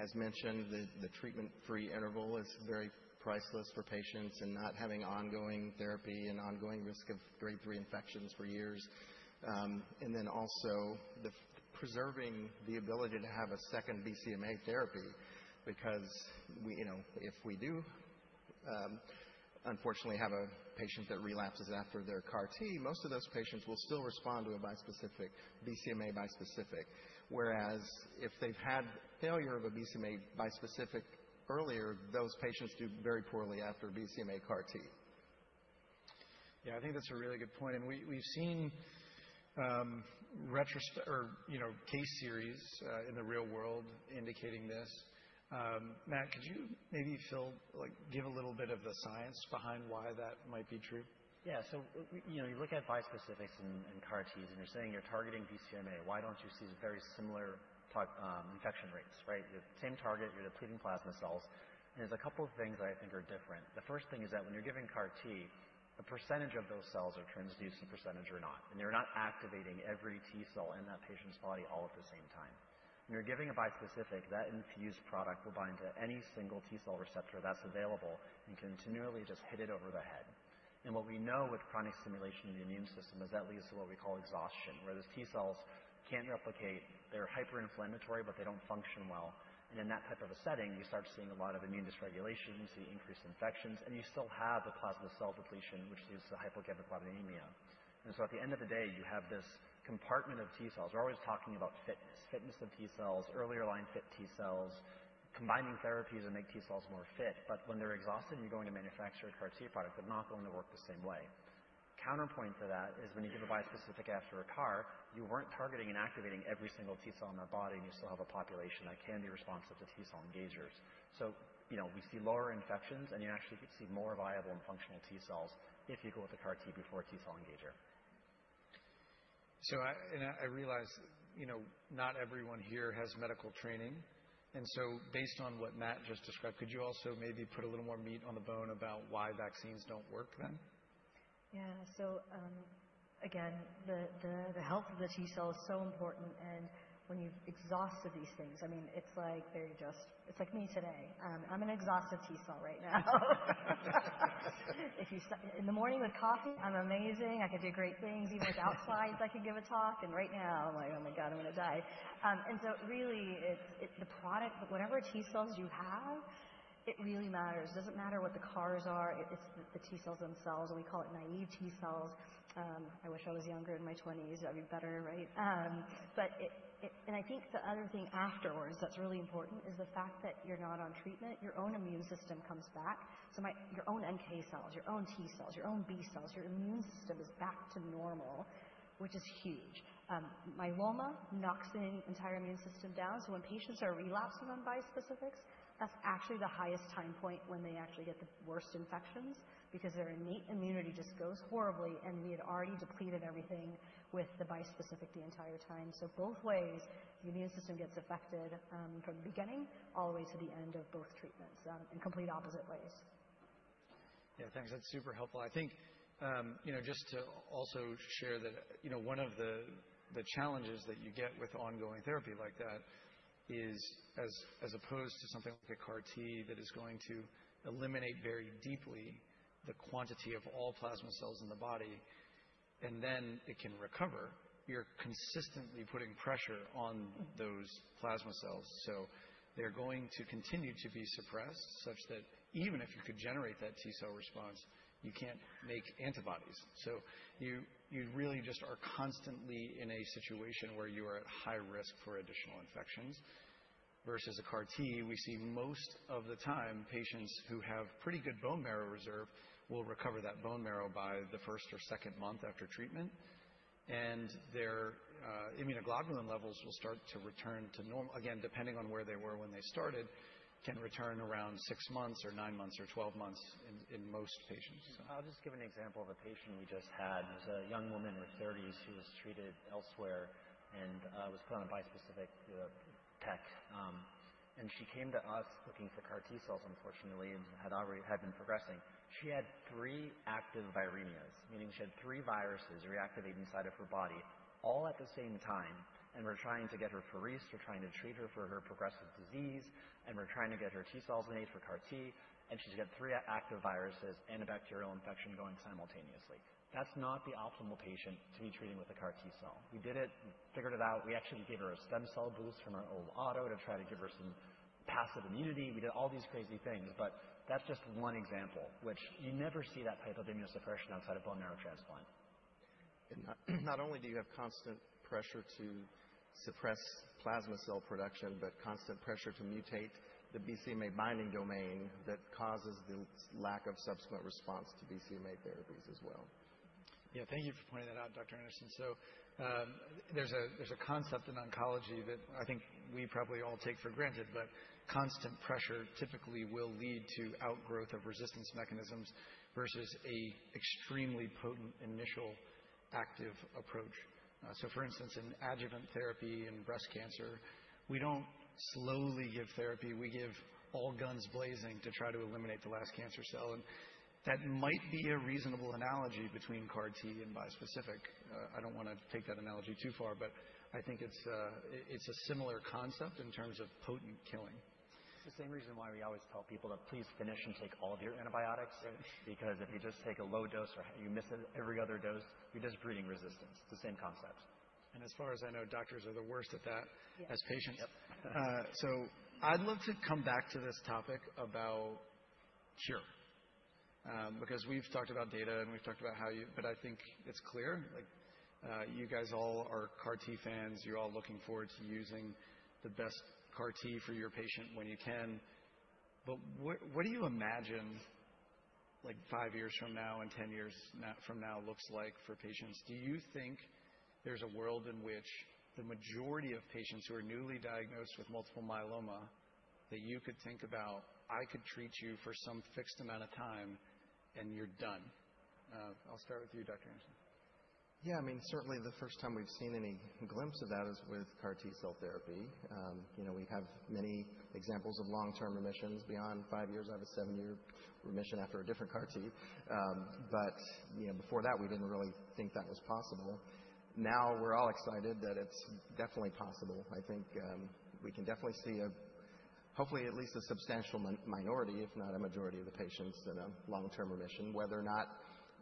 as mentioned, the treatment free interval is very priceless for patients and not having ongoing therapy and ongoing risk of grade 3 infections for years and then also preserving the ability to have a second BCMA therapy. Because if we do. Unfortunately, have a patient that relapses after their CAR T, most of those patients will still respond to a bispecific BCMA bispecific. Whereas if they've had failure of a BCMA bispecific earlier, those patients do very poorly after BCMA CAR T. Yeah, I. Think that's a really good point, and we've seen. retrospect, or, you know, case series in the real world indicating that this. Matt, could you maybe fill in, like give a little bit of the science behind why that might be true? Yeah. So, you know, you look at bispecifics and CAR T's and you're saying you're targeting BCMA. Why don't you see very similar infection rates? Right. Same target, you're depleting plasma cells. And there's a couple of things that I think are different. The first thing is that when you're giving CAR T, the percentage of those cells are transduced or not, and they're not activating every T cell in that patient's body all at the same time. When you're giving a bispecific that infused product will bind to any single T cell receptor that's available and continually just hit it over the head. And what we know with chronic stimulation in the immune system is that leads to what we call exhaustion, where those T cells can't replicate. They're hyper inflammatory, but they don't function well. In that type of a setting, you start seeing a lot of immune dysregulation. You see increased infections, and you still have the plasma cell depletion, which leads to hypogammaglobulinemia. So at the end of the day, you have this compartment of T cells. We're always talking about fitness, fitness of T cells earlier line fit T cells, combining therapies that make T cells more fit, but when they're exhausted. You're going to manufacture a CAR T product but not going to work the same way. Counterpoint to that is when you give a bispecific after a CAR, you weren't targeting and activating every single T cell in their body. You still have a population that can be responsive to T cell engagers. You know, we see lower infections and you actually get to see more viable and functional T-cells if you go with a CAR T before T-cell engager. So I realize, you know, not everyone here has medical training and so based on what Matt just described, could you also maybe put a little more meat on the bone about why vaccines don't work then? Yeah, so again, the health of the T-cell is so important and when you've exhausted these things, I mean, it's like they're just, it's like me today, I'm an exhaustive T-cell right now. In the morning with coffee, I'm amazing. I could do great things even without slides. I could give a talk. And right now I'm like, oh my God, I'm going to die. And so really the product, whatever T cells you have, it really matters. Doesn't matter what the CARs are, it's the T cells themselves. And we call it naive T cells. I wish I was younger, in my 20s. That'd be better, right? But, and I think the other thing afterwards that's really important is the fact that you're not on treatment. Your own immune system comes back. So my own NK cells, your own T cells, your own B cells, your immune system is back to normal, which is huge. Myeloma knocks the entire immune system down. So when patients are relapsing on bispecifics, that's actually the highest time point when they actually get the worst infections because their innate immunity just goes horribly. And we had already depleted everything with the bispecific the entire time. So both ways, the immune system gets affected from the beginning all the way to the end of both treatments in complete opposite ways. Yeah, thanks. That's super helpful, I think, you know, just to also share that, you know, one of the challenges that you get with ongoing therapy like that is as opposed to something like a CAR T that is going to eliminate very deeply the quantity of all plasma cells in the body, and then it can recover. You're consistently putting pressure on those plasma cells, so they're going to continue to be suppressed such that even if you could generate that T cell response, you can't make antibodies. So you really just are constantly in a situation where you are at high risk for additional infections versus a CAR T. We see most of the time, patients who have pretty good bone marrow reserve will recover that bone marrow by the first or second month after treatment. Their immunoglobulin levels will start to return to normal again, depending on where they were when they started. They can return around six months or nine months or 12 months in most patients. I'll just give an example of a patient. We just had a young woman in her 30s who was treated elsewhere and was put on a bispecific Tec, and she came to us looking for CAR T cells, unfortunately, and had already had been progressing. She had three active viremias, meaning she had three viruses reactivated inside of her body all at the same time, and we're trying to get her apheresis. We're trying to treat her for her progressive disease, and we're trying to get her to T cells in eight for CAR T, and she's got three active viruses and a bacterial infection going simultaneously. That's not the optimal patient to be treating with a CAR T cell. We did it, figured it out. We actually gave her a stem cell boost from her old auto to try to give her some passive immunity. We did all these crazy things, but that's just one example, which you never see that type of immunosuppression outside of bone marrow transplant. Not only do you have constant pressure to suppress plasma cell production, but constant pressure to mutate the BCMA binding domain that causes the lack of subsequent response to BCMA therapies as well. Yeah, thank you for pointing that out, Dr. Anderson. So there's a concept in oncology that I think we probably all take for granted. But constant pressure typically will lead to outgrowth of resistance mechanisms versus an extremely potent initial active approach. So for instance, in adjuvant therapy and breast cancer, we don't slowly give therapy, we give all guns blazing to try to eliminate the last cancer cell. And that might be a reasonable analogy between CAR T and bispecific. I don't want to take that analogy too far, but I think it's, it's a similar concept in terms of potent killing. It's the same reason why we always tell people to please finish and take all of your antibiotics. Because if you just take a low dose or you miss every other dose, you're just breeding resistance. It's the same concept. As far as I know, doctors are the worst at that as patients. So I'd love to come back to this topic about cure because we've talked about data and we've talked about how you. But I think it's clear, like you guys all are CAR T fans. You're all looking forward to using the best CAR T for you, your patient, when you can. But what do you imagine like five years from now and ten years from now looks like for patients? Do you think there's a world in which the majority of patients who are newly diagnosed with multiple myeloma that you could think about? I could treat you for some fixed amount of time and you're done. I'll start with you, Dr. Anderson. Yeah, I mean, certainly the first time we've seen any glimpse of that is with CAR T-cell therapy. You know, we have many examples of long-term remissions beyond five years. I have a seven-year remission after a different CAR T. But before that we didn't really think that was possible. Now we're all excited that it's definitely possible. I think we can definitely see hopefully at least a substantial minority if not a majority of the patients in a long-term remission, whether or not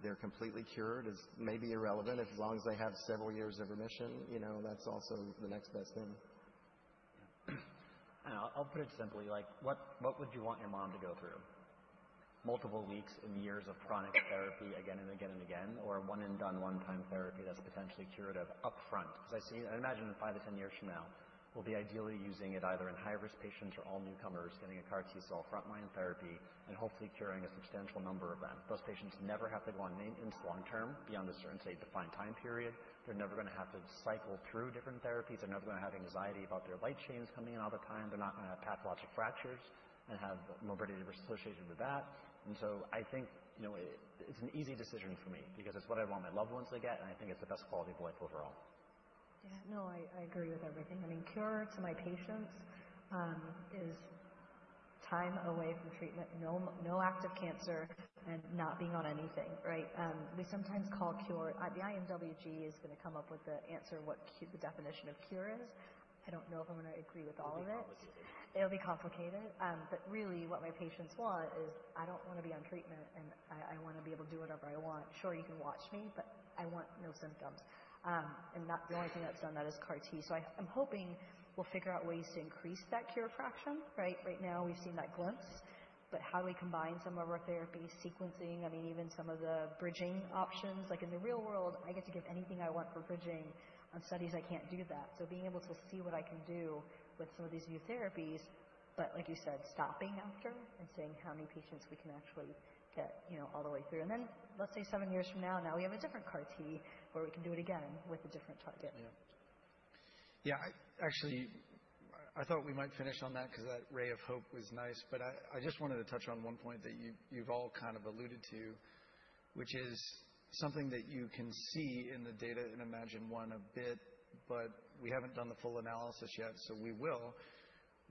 they're completely cured is maybe irrelevant. As long as they have several years of remission. You know, that's also the next best thing. I'll put it simply, like what, what would you want your mom to go through multiple weeks and years of chronic therapy again and again and again, or one and done one time therapy that's potentially curative up front? Because I see, I imagine five to 10 years from now we'll be ideally using it either in high risk patients or all newcomers getting a CAR T-cell frontline therapy and hopefully curing a substantial number of them. Those patients never have to go on maintenance long term, beyond a certain stage-defined time period. They're never going to have to cycle through different therapies, they're never going to have anxiety about their light chains coming in all the time. They're not going to have pathologic fractures and have morbidity associated with that. I think, you know, it's an easy decision for me because it's what I want my loved ones to get. I think it's the best quality of life overall. Yeah, no, I agree with everything. I mean, cure to my patients is time away from treatment, no active cancer and not being on anything. Right. We sometimes call cure. The IMWG is going to come up with the answer what the definition of cure is. I don't know if I'm going to agree with all of it. It'll be complicated. But really what my patients want is I don't want to be on treatment and I want to be able to do whatever I want. Sure, you can watch me. But I want no symptoms and the only thing that's done that is CAR T. So I'm hoping we'll figure out ways to increase that cure fraction. Right. Right now we've seen that glimpse, but how do we combine some of our therapy sequencing? I mean, even some of the bridging options? Like in the real world, I get to give anything I want for bridging on studies. I can't do that. So being able to see what I can do with some of these new therapies. But like you said, stopping after and seeing how many patients we can actually get all the way through, and then let's say seven years from now, now we have a different CAR T where we can do it again with a different target. Yeah. Actually, I thought we might finish on that because that ray of hope was nice. But I just wanted to touch on one point that you've all kind of alluded to, which is something that you can see in the data in iMMagine-1 a bit. But we haven't done the full analysis yet, so we will.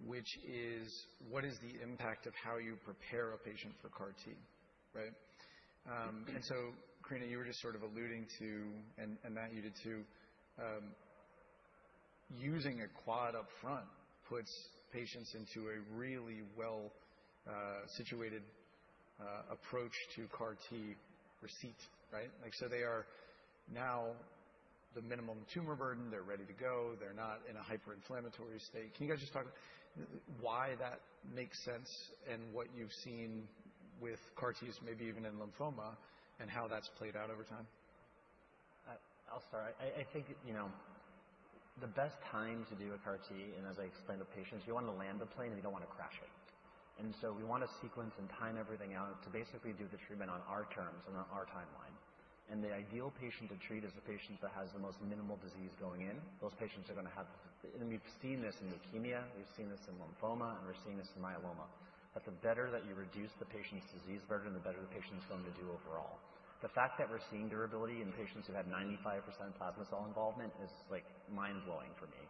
Which is what is the impact of how you prepare a patient for CAR T. Right. And so Krina, you were just sort of alluding to. And Matt, you did too. Using a quad up front puts patients into a really well situated approach to CAR T receipt. Right. Like so they are now the minimum tumor burden. They're ready to go. They're not in a hyper inflammatory state. Can you guys just talk why that makes sense and what you've seen with CAR T's maybe even in lymphoma and how that's played out over time? I'll start. I think you know the best time to do a CAR T. And as I explained to patients, you want to land a plane and you don't want to crash it. And so we want to sequence and time everything out to basically do the treatment on our terms and on our timeline. And the ideal patient to treat is the patient that has the most minimal disease going in. Those patients are going to have. And we've seen this in leukemia, we've seen this in lymphoma, and we're seeing this in myeloma. But the better that you reduce the patient's disease burden, the better the patient's going to do overall. The fact that we're seeing durability in patients who have 95% plasma cell involvement is like, mind blowing for me.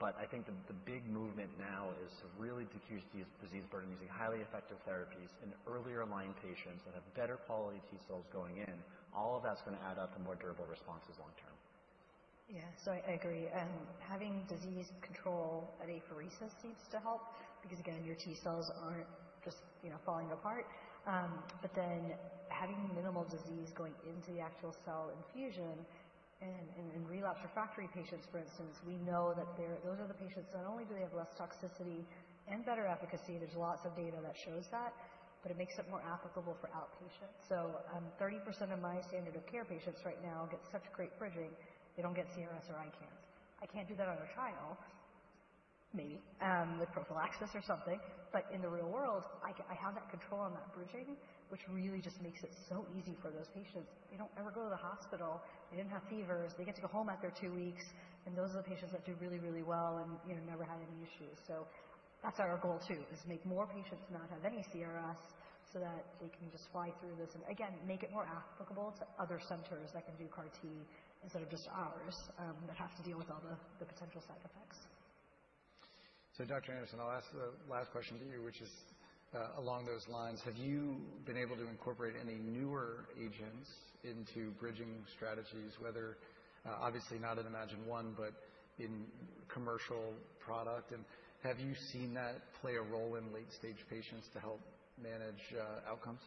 But I think the big movement now is really tough disease burden. Using highly effective therapies in earlier line patients that have better quality T cells. Cells going in, all of that's going. To add up to more durable responses long term. Yeah. So I agree. Having disease control at apheresis seems to help because again, your T cells aren't just falling apart, but then having minimal disease going into the actual cell infusion. And in relapsed/refractory patients, for instance, we know that those are the patients. Not only do they have less toxicity and better efficacy, there's lots of data that shows that, but it makes it more applicable for outpatients. So 30% of my standard of care patients right now get such great bridging, they don't get CRS or ICANS. I can't do that on a trial, maybe with prophylaxis or something. But in the real world, I have that control on that bridging, which really just makes it so easy for those patients. They don't ever go to the hospital, they didn't have fevers, they get to go home after two weeks. And those are the patients that did really, really well and never had any issues. So that's our goal too, is make more patients not have any CRS so that they can just fly through this and again, make it more applicable to other centers that can do CAR T instead of just ours that have to deal with all the potential side effects. So, Dr. Anderson, I'll ask the last question to you, which is along those lines. Have you been able to incorporate any newer agents into bridging strategies? Whether, obviously not in iMMagine-1, but in commercial product. And have you seen that play a role in late stage patients to help manage outcomes?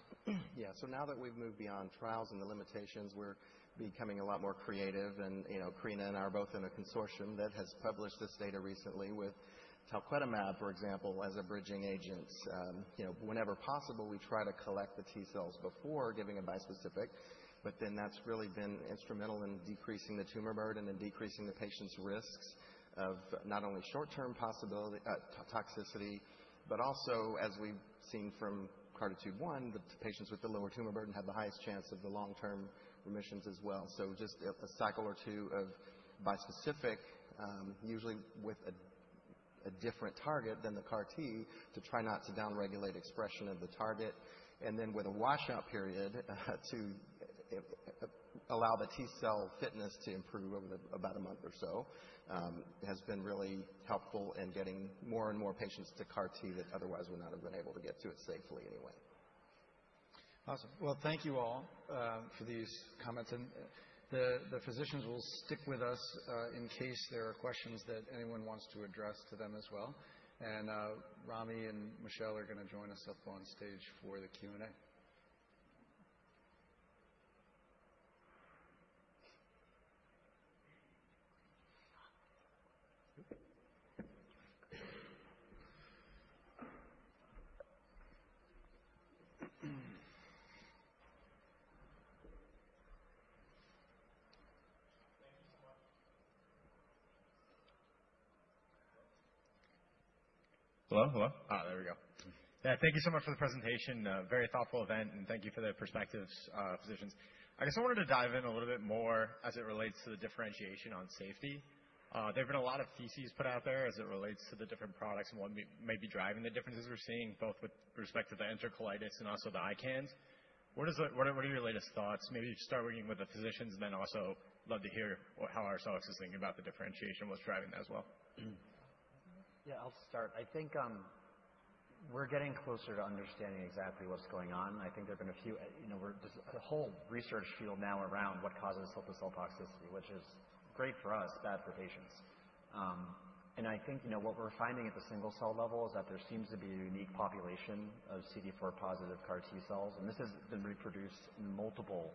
Yeah. So now that we've moved beyond trials and the limitations, we're becoming a lot more creative. And you know, Krina and I are both in a consortium that has published this data recently with talquetamab for example, as a bridging agent. You know, whenever possible we try to collect the T cells before giving a bispecific. But then that's really been instrumental in decreasing the tumor burden and decreasing the patient's risks of not only short-term post-infusion toxicity, but also as we've seen from CARTITUDE-1, the patients with the lower tumor burden have the highest chance of the long-term remissions as well. Just a cycle or two of bispecific, usually with a different target than the CAR T to try not to down regulate expression of the target and then with a washout period to allow the T-cell fitness to improve over about a month or so has been really helpful in getting more and more patients to CAR T that otherwise would not have been able to get to it safely anyway. Awesome. Thank you all for these comments, and the physicians will stay with us in case there are questions that anyone wants to address to them as well. Rami and Michelle are going to join us up on stage for the Q&A. Thank you so much. Hello. Hello. Thank you so much for the presentation. Very thoughtful event and thank you for the perspectives positions. I guess I wanted to dive in a little bit more as it relates to the differentiation on safety. There have been a lot of theses put out there as it relates to. The different products and what may be. Driving the differences we're seeing both with respect to the enterocolitis and also the ICANS. What is it? What are your latest thoughts? Maybe start with the physicians and then also love to hear how Arcellx. Is thinking about the differentiation. What's driving that as well. Yeah, I'll start. I think we're getting closer to understanding exactly what's going on. I think there have been a few, you know, there's a whole research field now around what causes cilta-cel toxicity, which is great for us, bad for patients. And I think, you know, what we're finding at the single cell level is that there seems to be a unique population of CD4 positive CAR T cells and this has been reproduced in multiple,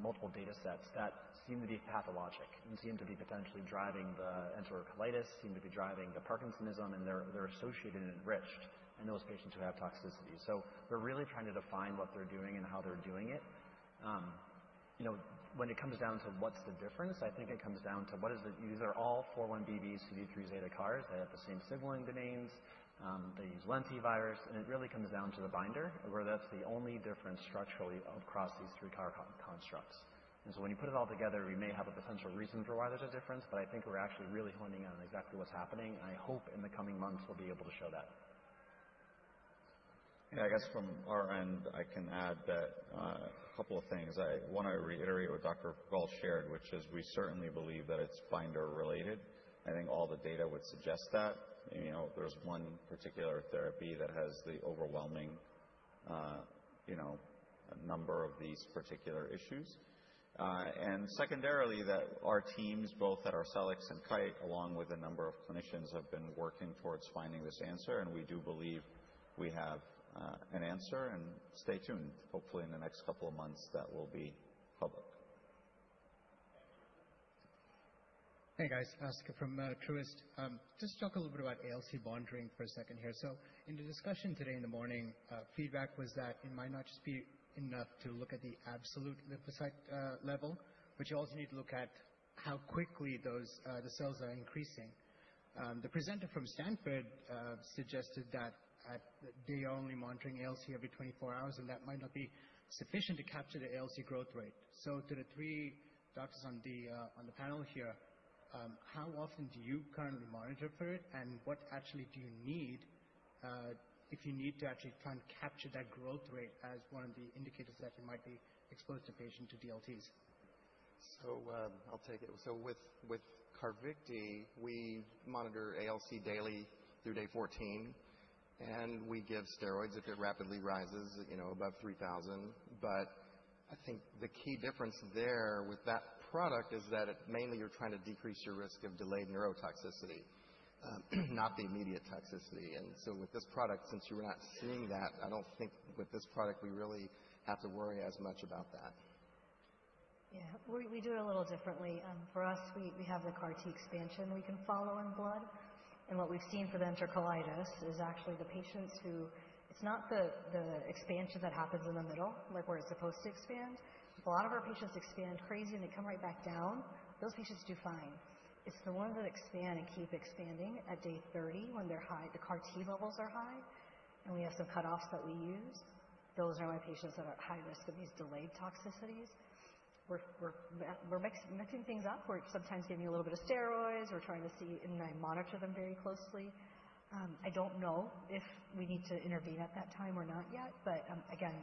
multiple data sets that seem to be pathologic and seem to be potentially driving the enterocolitis, seem to be driving the Parkinsonism and they're associated and enriched in those patients who have toxicity. So they're really trying to define what they're doing and how they're doing it. You know, when it comes down to what's the difference? I think it comes down to what is the. These are all 4-1BB-CD3-zeta CARs. They have the same signaling domains. They use lentivirus, and it really comes down to the binder where that's the only difference structurally across these three CAR constructs, and so when you put it all together, we may have a potential reason for why there's a difference, but I think we're actually really honing in on exactly what's happening. I hope in the coming months we'll be able to show that. I guess from our end I can add that a couple of things. I want to reiterate what Dr. Frigault shared, which is we certainly believe that it's binder related. I think all the data would suggest that, you know, there's one particular therapy that has the overwhelming, you know, number of these particular issues, and secondarily that our teams both at Arcellx and Kite, along with a number of clinicians have been working towards finding this answer, and we do believe we have an answer, and stay tuned. Hopefully in the next couple of months that will be public. Hey guys, Oscar from Truist, just talk a little bit about ALC monitoring for a second here. So in the discussion today in the morning, feedback was that it might not just be enough to look at the absolute lymphocyte level, but you also need to look at how quickly the cells are increasing. The presenter from Stanford suggested that they are only monitoring ALC every 24 hours and that might not be sufficient to capture the ALC growth rate. So to the three doctors on the panel here, how often do you currently monitor for it and what actually do you need? If you need to actually try and capture that growth rate as one of the indicators that you might expose the patient to DLTs. So I'll take it. So with Carvykti, we monitor ALC daily through day 14 and we give steroids if it rapidly rises, you know, above 3,000. But I think the key difference there with that product is that mainly you're trying to decrease your risk of delayed neurotoxicity, not the immediate toxicity. And so with this product, since you were not seeing that, I don't think with this product we really have to worry as much about that. Yeah, we do it a little differently. For us, we have the CAR T expansion we can follow in blood. And what we've seen for the enterocolitis is actually the patients who. It's not the expansion that happens in the middle, like where it's supposed to expand. A lot of our patients expand crazy. And they come right back down. Those patients do fine. It's the ones that expand and keep expanding at day 30 when they're high, the CAR T levels are high and we have some cutoffs that we use. Those are my patients that are at high risk of these delayed toxicities. We're mixing things up. We're sometimes giving a little bit of steroids. We're trying to see, and I monitor them very closely. I don't know if we need to intervene at that time or not yet. But again,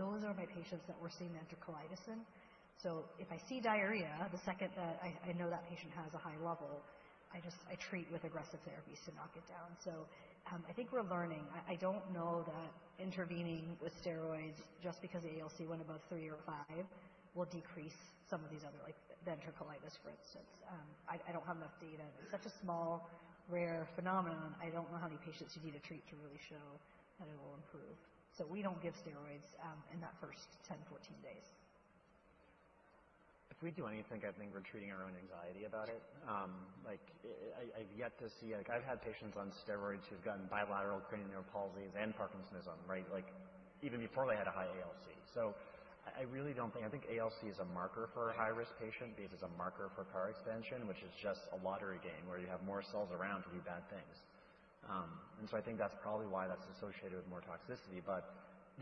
those are my patients that we're seeing enterocolitis in. So if I see diarrhea, the second that I know that patient has a high level, I just, I treat with aggressive therapies to knock it down. So I think we're learning. I don't know that intervening with steroids just because ALC went above three or five will decrease some of these other, like ventriculitis for instance. I don't have enough data. It's such a small, rare phenomenon. I don't know how many patients you need to treat to really show that it will improve. So we don't give steroids in that first 10 days, 14 days. If we do anything, I think we're treating our own anxiety about it. Like, I've yet to see, like I've had patients on steroids who've gotten bilateral cranial nerve palsies and Parkinson's. Right. Like even before they had a high ALC. So I really don't think, I think ALC is a marker for a high risk patient because it's a marker for CAR expansion, which is just a lottery game where you have more cells around to do bad things. And so I think that's probably why that's the same associated with more toxicity. But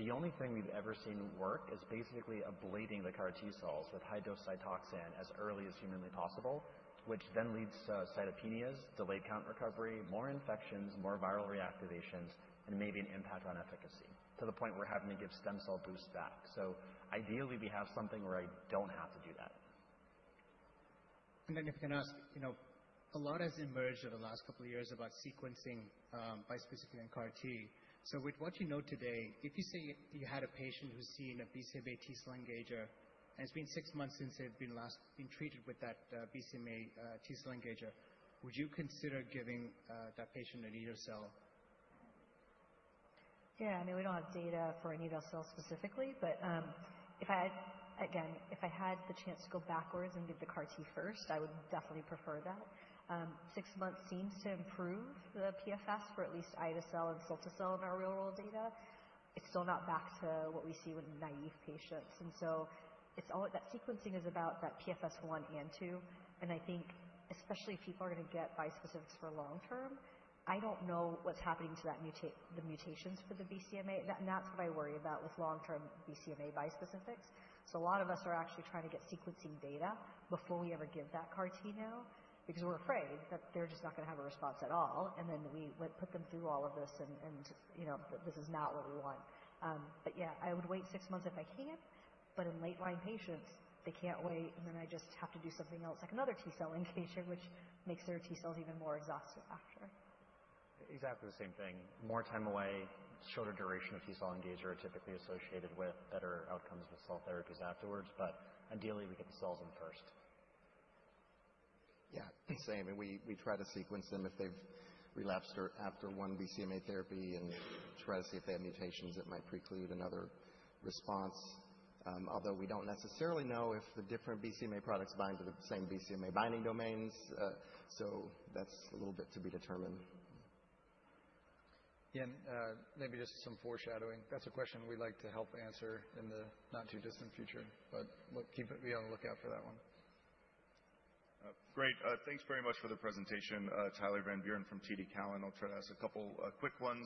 the only thing we've ever seen work is basically ablating the CAR T cells with high dose Cytoxan as early as humanly possible, which then leads to cytopenias, delayed count recovery, more infections, more viral reactivations, and maybe an impact on efficacy to the point we're having to give stem cell boosts back. So ideally we have something where I don't have to do that. Then if you can ask, you know, a lot has emerged last couple years about sequencing bispecific and CAR T. With what you know today, if you say you had a patient who's seen a BCMA T cell engager and it's been six months since they've last been treated with that BCMA T cell engager, would you consider giving that patient an anito-cel? Yeah, I mean we don't have data for an anito-cel specifically, but if I again, if I had the chance to go backwards and give the CAR T first, I would definitely prefer that. Six months seems to improve the PFS for at least ide-cel and cilta-cel in our real world data. It's still not back to what we see with naive patients. And so it's all that sequencing is about that PFS 1 and 2 and I think especially people are going to get bispecifics for long term. I don't know what's happening to that mutate the mutations for the BCMA and that's what I worry about with long term and BCMA bispecifics. So a lot of us are actually trying to get sequencing data before we ever give that CAR T know because we're afraid that they're just not gonna have a response at all. And then we put them through all of this, you know. This is not what we want. But yeah, I would wait six months if I can. But in late-line patients, they can't wait, and then I just have to do something else, like another T-cell engager, which makes their T cells even more exhausted after. Exactly. Same thing, more time away. Shorter duration of T-cell engager are typically associated with better outcomes with cell therapies afterwards. But ideally we get the cells in first. Yeah, same. And we try to sequence them if they've relapsed after one BCMA therapy and try to see if they have mutations that might preclude another response. Although we don't necessarily know if the different BCMA products bind to the same BCMA binding domains. So that's a little bit to be determined. Maybe just some foreshadowing. That's a question we like to help answer in the not too distant future, but be on the lookout for that one. Great. Thanks very much for the presentation, Tyler Van Buren from TD Cowen. I'll try to ask a couple quick ones.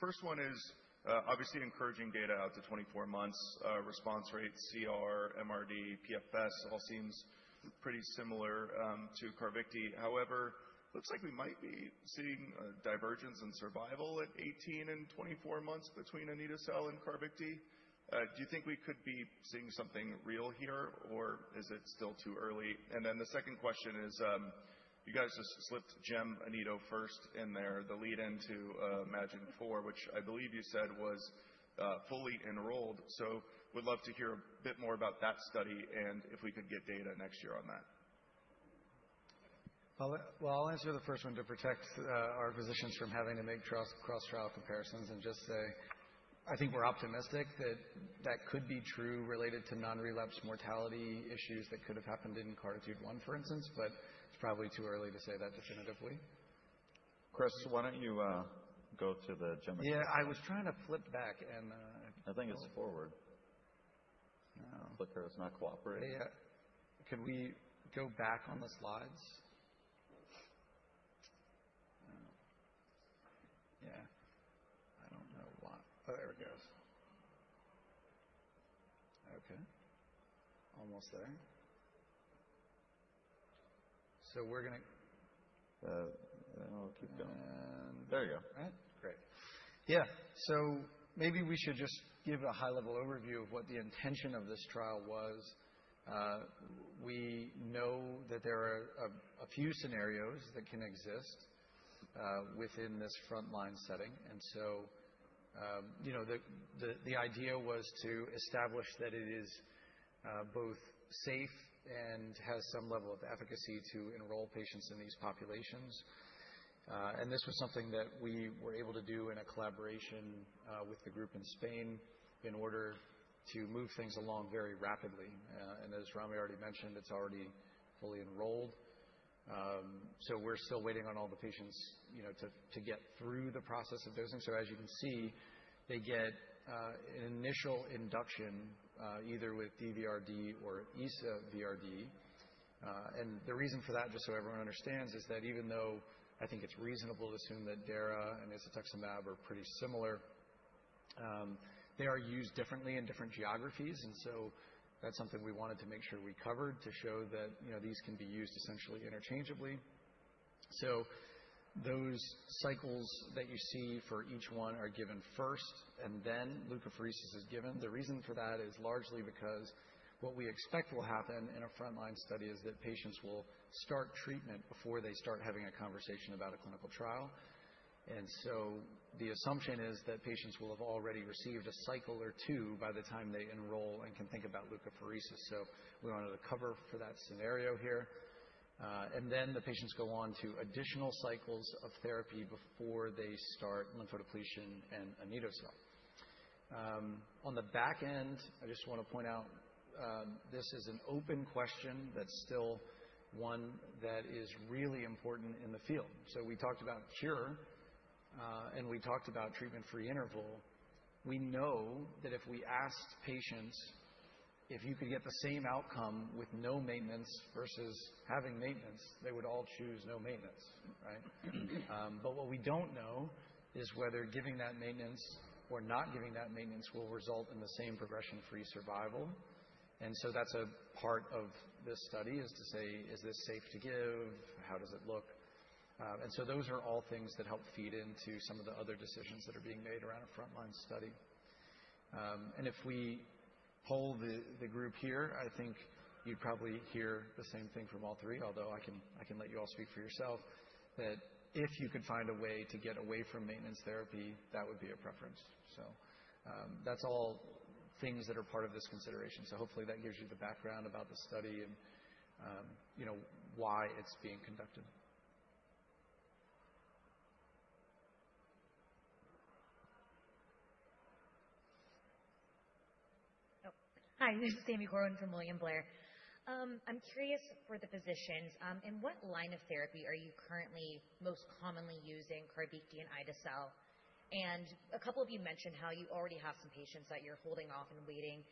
First one is obviously encouraging data out to 24 months response rates. PFS all seems pretty similar to Carvykti. However, looks like we might be seeing a divergence in survival at 18 and 24 months between anito-cel and Carvykti. Do you think we could be seeing something real here or is it still too early? And then the second question is, you guys just slipped Anito-First in there. The lead into iMMagine-4, which I believe you said was fully enrolled. So we'd love to hear a bit more about that study and if we could get data next year on that. I'll answer the first one to protect our physicians from having to make cross trial comparisons and just say I think we're optimistic that that could be true related to non-relapse mortality issues that could have happened in CARTITUDE-1, for instance. But it's probably too early to say that definitively. Chris, why don't you go to the geometry? Yeah, I was trying to flip back. I think it's forward. Clicker is not cooperating. Can we go back on the slides? Yeah, I don't know why. Oh, there it goes. Okay, almost there. We're going to. Keep going. There you go. Right, Great. Yeah. So maybe we should just give a high level overview of what the intention of this trial was. We know that there are a few scenarios that can exist within this frontline setting. And so, you know, the idea was to establish that it is both safe and has some level of efficacy to enroll patients in these populations. And this was something that we were able to do in a collaboration with the group in Spain in order to move things along very rapidly. And as Rami already mentioned, it's already fully enrolled, so we're still waiting on all the patients to get through the process of. And so as you can see, they get an initial induction either with DVRD or Isa-VRd. And the reason for that, just so everyone understands, is that even though I think it's reasonable to assume that Dara and isatuximab are pretty similar. They are used differently in different geographies. And so that's something we wanted to make sure we covered to show that these can be used essentially interchangeably. So those cycles that you see for each one are given first and then leukapheresis is given. The reason for that is largely because what we expect will happen in a frontline study is that patients will start treatment before they start having a conversation about a clinical trial. And so the assumption is that patients will have already received a cycle or two by the time they enroll and can think about leukapheresis. So we wanted to cover for that scenario here. And then the patients go on to additional cycles of therapy before they start lymphodepletion and anito-cel on the back end. I just want to point out this is an open question that's still one that is really important in the field. So we talked about cure and we talked about treatment free interval. We know that if we asked patients if you could get the same outcome with no maintenance versus having maintenance, they would all choose no maintenance. Right. What we don't know is whether giving that maintenance or not giving that maintenance will result in the same progression-free survival. So that's a part of this study, to say is this safe to give? How does it look? So those are all things that help feed into some of the other decisions that are being made around a frontline study. If we poll the group here, I think you'd probably hear the same thing from all three. Although I can let you all speak for yourself that if you could find a way to get away from maintenance therapy, that would be a preference. So that's all things that are part of this consideration. Hopefully that gives you the background about the study and you know why it's being conducted. Hi, this is Sami Corwin from William Blair. I'm curious for the physicians, in what line of therapy are you currently most commonly using Carvykti and ide-cel? And a couple of you mentioned how you already have some patients that you're holding off and waiting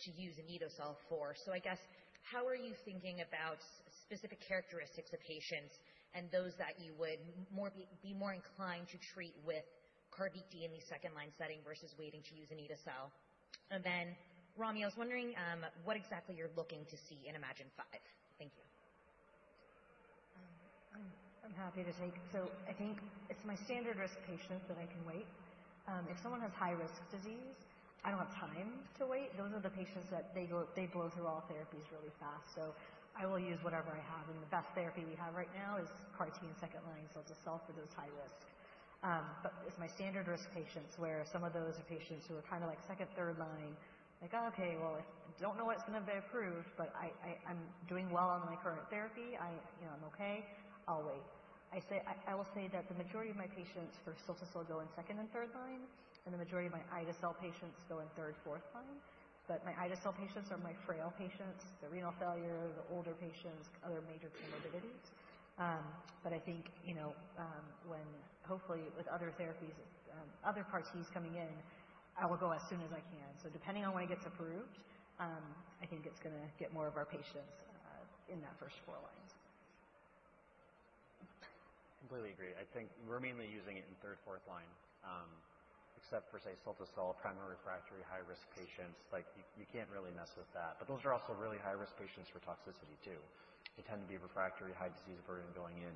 to use anito-cel for. So I guess how are you thinking about specific characteristics of patients and those that you would be more inclined to treat with Carvykti in the second line setting versus waiting to use anito-cel and then Rami? I was wondering what exactly you're looking to see in iMMagine-5. Thank you. I'm happy to take. So I think it's my standard risk patient that I wait. If someone has high risk disease, I don't have time to wait. Those are the patients that they go. They blow through all therapies really fast. So I will use whatever I have. And the best therapy we have right now is CAR T and second line cilta-cel for those high risk. But it's my standard risk patients where some of those are patients who are kind of like second, third line. Like okay, well I don't know what's going to be approved, but I'm doing well on my current therapy. I'm okay, I'll wait. I will say that the majority of my patients for cilta-cel go in second and third line and the majority of my ide-cel patients go in third, fourth line. But my ide-cel patients are my frail patients. The renal failure, the older patients, other major comorbidities. But I think you know when hopefully with other therapies, other CAR T's coming in. I will go as soon as I can. So depending on when I get approved I can get going to get more of our patients in that first four lines. Completely agree. I think we're mainly using it in third, fourth line except for say cilta-cel primary refractory high risk patients like you can't really mess with that. But those are also really high risk patients for toxicity too. They tend to be refractory high disease burden going in.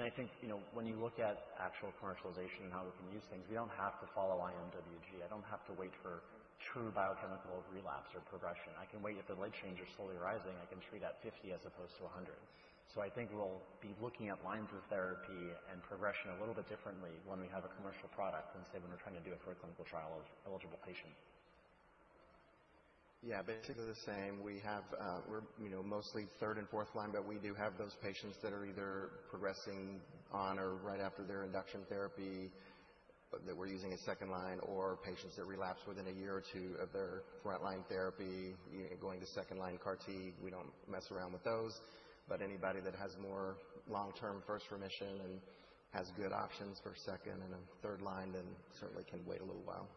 So I think you know, when you look at actual commercialization and how we can use things we don't have to follow IMWG. I don't have to wait for true biochemical relapse or progression. I can wait if the light chain is slowly rising. I can treat at 50 as opposed to 100. So I think we'll be looking at lines of therapy and progression a little bit differently when we have a commercial product than say when we're trying to do it for a clinical trial of eligible patients. Yeah, basically the same. We have. We're, you know, mostly third and fourth line, but we do have those patients that are either pretty resistant or right after their induction therapy that we're using a second line or patients that relapse within a year or two of their front line therapy going to second line CAR T. We don't mess around with those. But anybody that has more long term first remission and has good options for second and a third line, then certainly can wait a little while.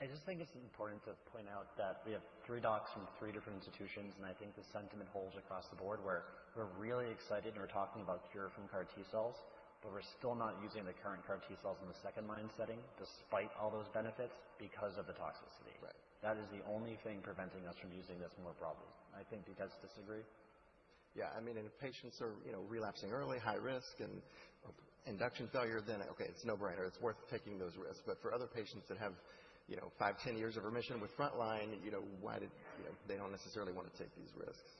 I just think it's important to point out that we have three docs from three different institutions and I think the sentiment holds across the board where we're really excited and we're talking about cure from CAR T cells but we're still not using the current CAR T cells in the second line setting. Despite all those benefits because of the toxicity that is the only thing preventing us from using this more broadly. I think the rest disagree. Yeah, I mean, if patients are relapsing early, high risk, and induction failure, then okay, it's a no-brainer. It's worth taking those risks. But for other patients that have known five, 10 years of remission with frontline, you know, why they don't necessarily want to take these risks.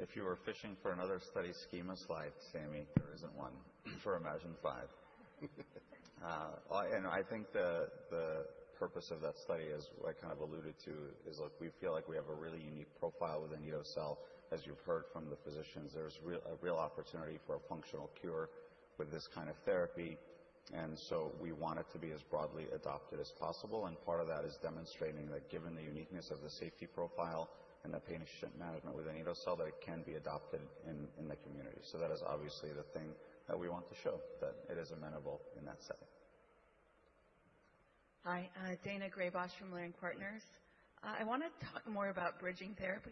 If you were fishing for another study schema slide, Sami. There isn't one for iMMagine-5. And I think the purpose of that study, as I kind of alluded to, is look, we feel like we have a really unique profile within anito-cel. As you've heard from the physicians, there's a real opportunity for a functional cure with this kind of therapy. And so we want it to be as broadly adopted as possible. And part of that is demonstrating that given the uniqueness of the safety profile and the patient management with an anito-cel, that it can be adopted in the community. So that is obviously the thing that we want to show that it is amenable in that setting. Hi, Daina Graybosch from Leerink Partners. I want to talk more about bridging therapy.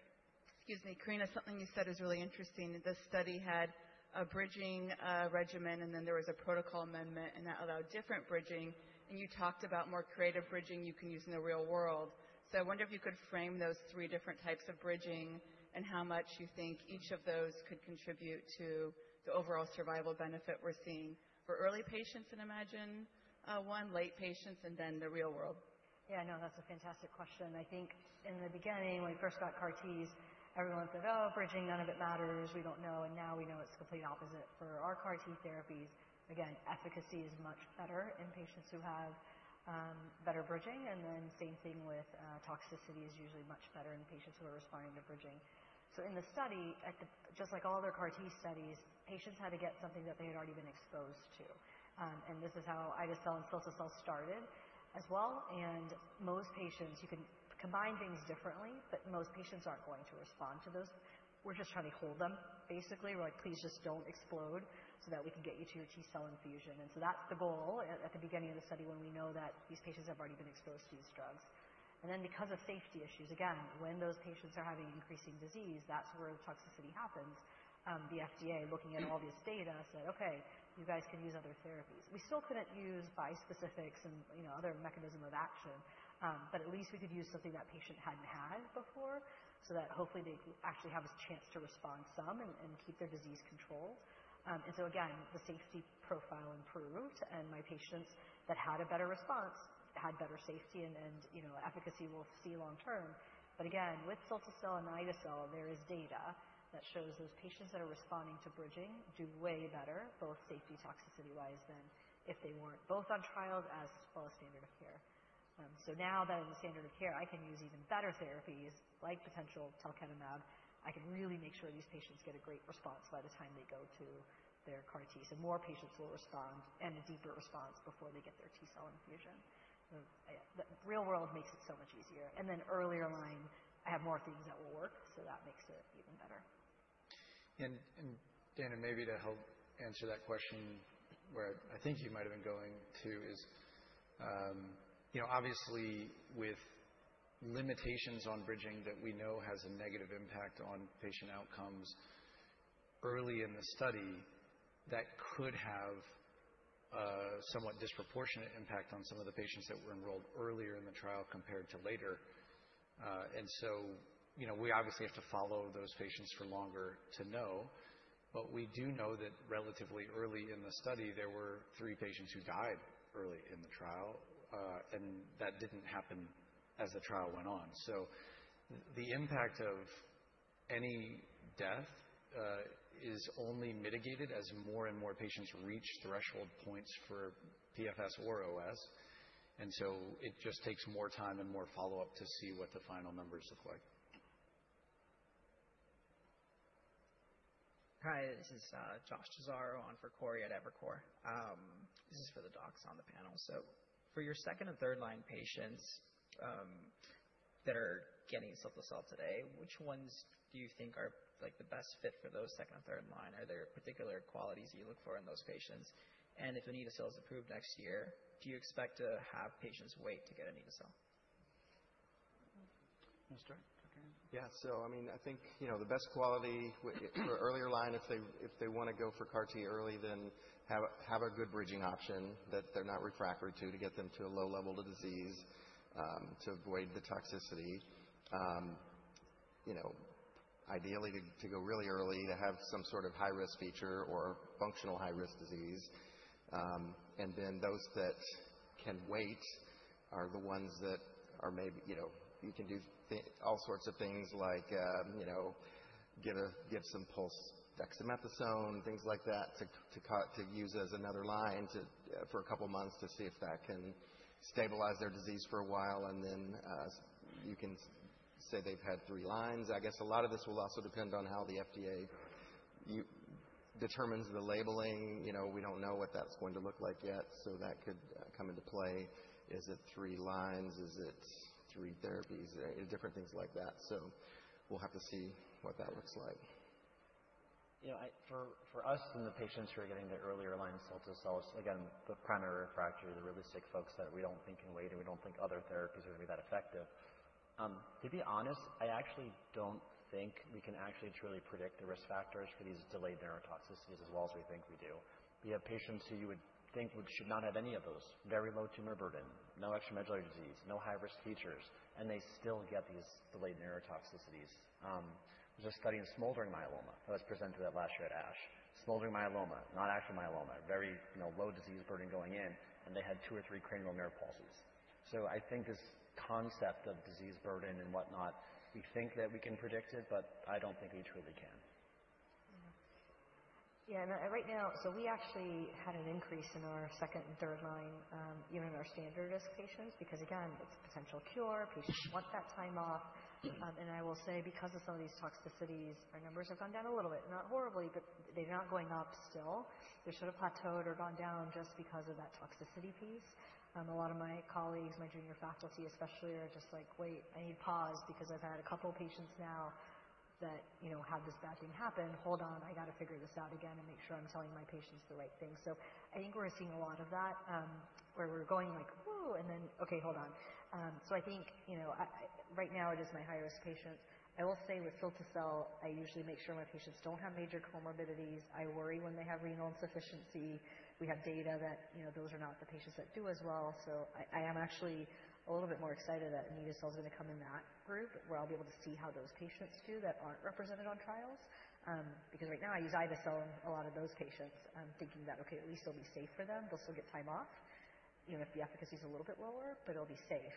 Excuse me, Krina. Something you said is really interesting. The study had a bridging regimen, and then there was a protocol amendment and that allowed different bridging. And you talked about more creative bridging you can use in the real world. So I wonder if you could frame those three different types of bridging and how much you think each of those could contribute to the overall survival benefit we're seeing for early patients. And iMMagine-1 late patients and then the real world. Yeah, no, that's a fantastic question. I think in the beginning, when we first got CAR T's, everyone said, oh, bridging, none of it matters. We don't know. And now we know it's complete opposite for our CAR T therapies. Again, efficacy is much better in patients who have better bridging. And then the same thing with toxicity is usually much better in patients who are responding to bridging. So in the study, just like all their CAR T studies, patients had to get something that they had already been exposed to. And this is how ide-cel and cilta-cel started as well. And most patients, you can combine things differently, but most patients aren't going to respond to those. We're just trying to hold them, basically. Right, please just don't explode so that we can get you to your T cell infusion. And so that's the goal at the beginning of the study, when we know that these patients have already been exposed to these drugs. And then because of safety issues, again, when those patients are having increasing disease, that's where the toxicity happens. The FDA looking at all this data said, okay, you guys can use other therapies. We still couldn't use bispecifics and, you know, other mechanism of action. But at least we could use something that patient hadn't had before so that hopefully they actually have a chance to respond some and keep their disease controlled. And so again, the safety profile improved. And my patients that had a better response had better safety and, you know, efficacy. We'll see long term. But again, with Sarclisa and Pomalyst there is data that shows those patients that are responding to bridging do way better, both safety, toxicity wise than if they weren't both on trials as well as standard of care. So now that in the standard of care I can use even better therapies like potential talquetamab, I can really make sure these patients get a great response by the time they go to their CAR T so more patients will respond and a deeper response before they get their T-cell infusion. Real world makes it so much easier. And then earlier line I have more things that will work, so that makes it even better. Dana, maybe to help answer that question, where I think you might have been going to is, you know, obviously with limitations on bridging that we know has a negative impact on patient outcomes early in the study that could have. Somewhat disproportionate impact on some of the patients that were enrolled earlier in the trial compared to later, and so, you know, we obviously have to follow those patients for longer to know, but we do know that relatively early in the study there were three patients who died early in the trial and that didn't happen as the trial went on, so the impact of any death is only mitigated as more and more patients reach threshold points for PFS or OS, and so it just takes more time and more follow up to see what the final numbers look like. Hi, this is Josh Cesario on for Cory at Evercore ISI. This is for the docs on the panel. For your second and third line. Patients. That are getting cilta-cel today, which ones do you think are like. The best fit for those second or third line? Are there particular qualities you look for in those patients, and if anito-cel is approved next year? Do you expect to have patients wait to get anito-cel? Wanna start? Yeah. So, I mean, I think, you know, the best quality earlier line, if they want to go for CAR T early, then have a good bridging option that they're not refractory to to get them to a low level of disease to avoid the toxicity. You know, ideally to go really early to have some sort of high risk feature or functional high risk disease. And then those that can wait are the ones that are maybe, you know, you can do all sorts of things like, you know, give some pulse, dexamethasone, things like that to use as another line to for a couple months to see if that can stabilize their disease for a while and then you can say they've had three lines. I guess a lot of this will also depend on how the FDA. Determines the labeling. You know, we don't know what that's going to look like yet. So that could come into play. Is it three lines? Is it three therapies? Different things like that. So we'll have to see what that. Looks like, you know, for us and the patients who are getting the earlier line cilta-cel. Again, the primary refractory, the really sick folks that we don't think can wait and we don't think other therapies are gonna be that effective, to be honest. I actually don't think we can actually truly predict the risk factors for these delayed neurotoxicities as well as we think we do. We have patients who you would think should not have any of those: very low tumor burden, no extramedullary disease, no high risk features, and they still get these delayed neurotoxicities. There's a study in smoldering myeloma. It was presented last year at ASH: smoldering myeloma, not active myeloma, very, you know, low disease burden going in. And they had two or three cranial nerve palsies. So, I think this concept of disease burden and whatnot. We think that we can predict it, but I don't think we truly can. Yeah, right now. So we actually had an increase in our second and third line, you know, in our standard risk patients, because again, it's a potential cure. Patients want that time off. And I will say because of some of these toxicities, our numbers have gone down a little bit. Not horribly, but they're not going up still. They should have plateaued or gone down just because of that toxicity piece. A lot of my colleagues, my junior faculty especially, are just like, wait, I need pause because I've had a couple patients now that, you know, have this bad thing happen. Hold on, I got to figure this out again and make sure I'm telling my patients the right thing. So I think we're seeing a lot of that where we're going like, woo. And then, okay, hold on. So I think, you know, right now it is my high-risk patients. I will say with cilta-cel, I usually make sure my patients don't have major comorbidities. I worry when they have renal insufficiency. We have data that, you know, those are not the patients that do as well. So I am actually a little bit more excited that anito-cel is going to come in that group where I'll be able to see how those patients that aren't represented on trials because right now I use ide-cel in a lot of those patients thinking that okay, at least they'll be safe for them. They'll still buy time even if the efficacy is a little bit lower. But it'll be safe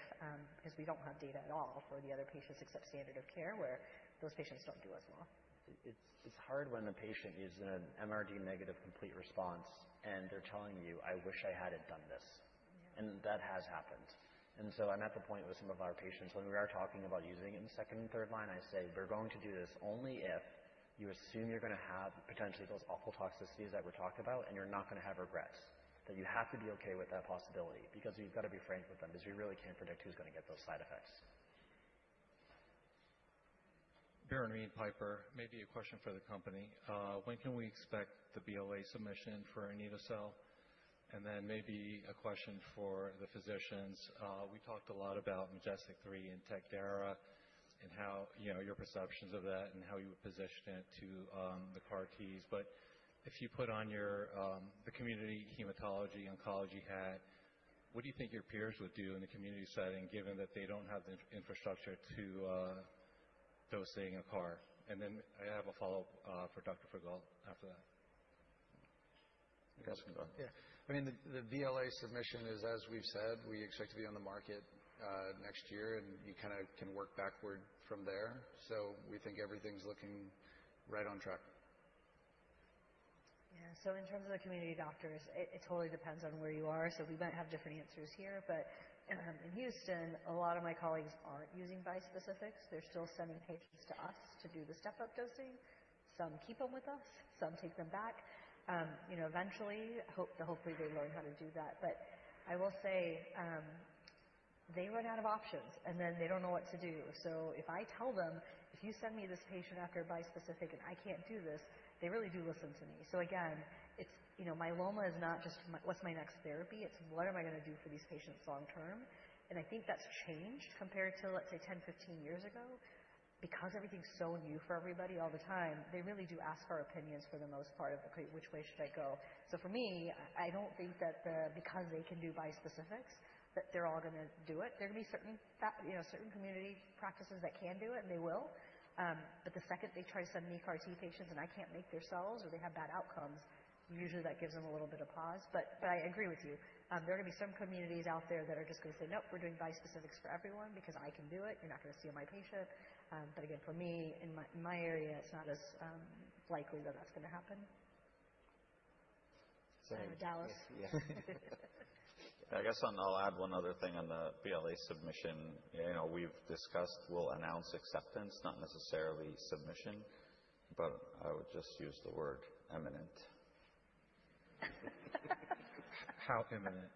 because we don't have data at all for the other patients except standard of care where those patients don't do as well. It's hard when the patient uses an MRD negative complete response and they're telling you, I wish I hadn't done this and that has happened, and so I'm at the point with some of our patients when we are talking about using it in the second and third line. I say we're going to do this only if you assume you're going to have potentially those awful toxicities that we talked about and you're not going to have regrets that you have to be okay with that possibility because you've got to be frank with them because you really can't predict who's going to get those side effects. Biren from Piper, maybe a question for the company. When can we expect the BLA submission for anito-cel? And then maybe a question for the physicians. We talked a lot about MajesTEC-3 and Tec Dara and how you know, your perceptions of that and how you. Would physicians it to the CAR T's. But if you put on your, the. Community hematology, oncology. What do you. Think your peers would do in the. Community setting given that they don't have the infrastructure to dosing a CAR? And then I have a follow-up question for Dr. Frigault. After that. You guys can go. Yeah, I mean the BLA submission is as we've said, we expect to be on the market next year and you kind of can work backward from there. So we think everything's looking right on track. Yeah. So in terms of the community doctors, it totally depends on where you are. So we might have different answers here, but in Houston a lot of my colleagues aren't using bispecifics. They're still sending patients to us to do the step up dosing. Some keep them with us, some take them back, you know, eventually, hopefully they learn how to do that. But I will say they run out of options and then they don't know what to do. So if I tell them, if you send me this patient after bispecifics and I can't do this, they really do listen to me. So again, it's, you know, myeloma is not just what's my next therapy. It's what am I going to do for these patients long term. And I think that's changed compared to let's say 10, 15 years ago because everything's so new for everybody all the time. They really do ask our opinions for the most part. Okay, which way should I go? So for me, I don't think that because they can do bispecifics that they're all going to do it. There can be certain, you know, certain community practices that can do it and they will. But the second they try to send me CAR T patients and I can't make their cells or they have bad outcomes, usually that gives them a little bit of pause. But I agree with you. There are going to be some communities out there that are just going to say, nope, we're doing bispecifics for everyone because I can do it. You're not going to see my patient. But again, for me in my area, it's not as likely that that's going to happen. Dallas. I guess I'll add one other thing on the BLA submission we've discussed. We'll announce acceptance, not necessarily submission, but I would just use the word imminent. How imminent.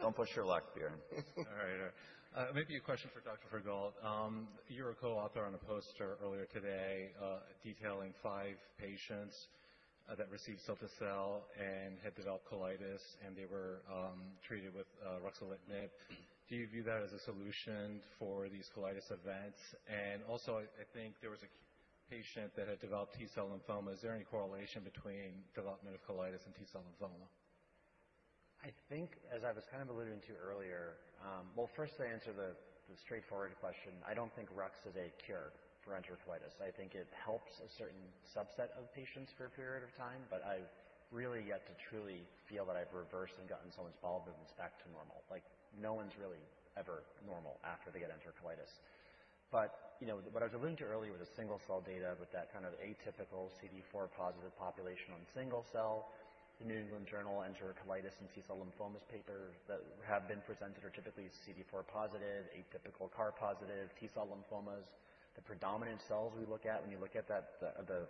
Don't push your luck, Biren. All right, maybe a question for Dr. Frigault. You're a co-author on a poster earlier today detailing five patients that received cilta-cel and had developed colitis and they were treated with ruxolitinib. Do you view that as a solution? For these colitis events? Also, I think there was a. Patient that had developed T-cell lymphoma. Is there any correlation between development of colitis and T-cell lymphoma? I think as I was kind of alluding to earlier. Well, first to answer the straightforward question, I don't think RUX is a cure for enterocolitis. I think it helps a certain subset of patients for a period of time. But I really yet to truly feel that I've reversed and gotten so much bowel back to normal. Like no one's really ever normal after they get enterocolitis. But you know what I was alluding to earlier was a single-cell data with that kind of atypical CD4-positive population on single-cell. The New England Journal of Medicine enterocolitis and T-cell lymphomas paper that have been presented are typically CD4-positive atypical CAR-positive T-cell lymphomas. The predominant cells we look at when you look at that, the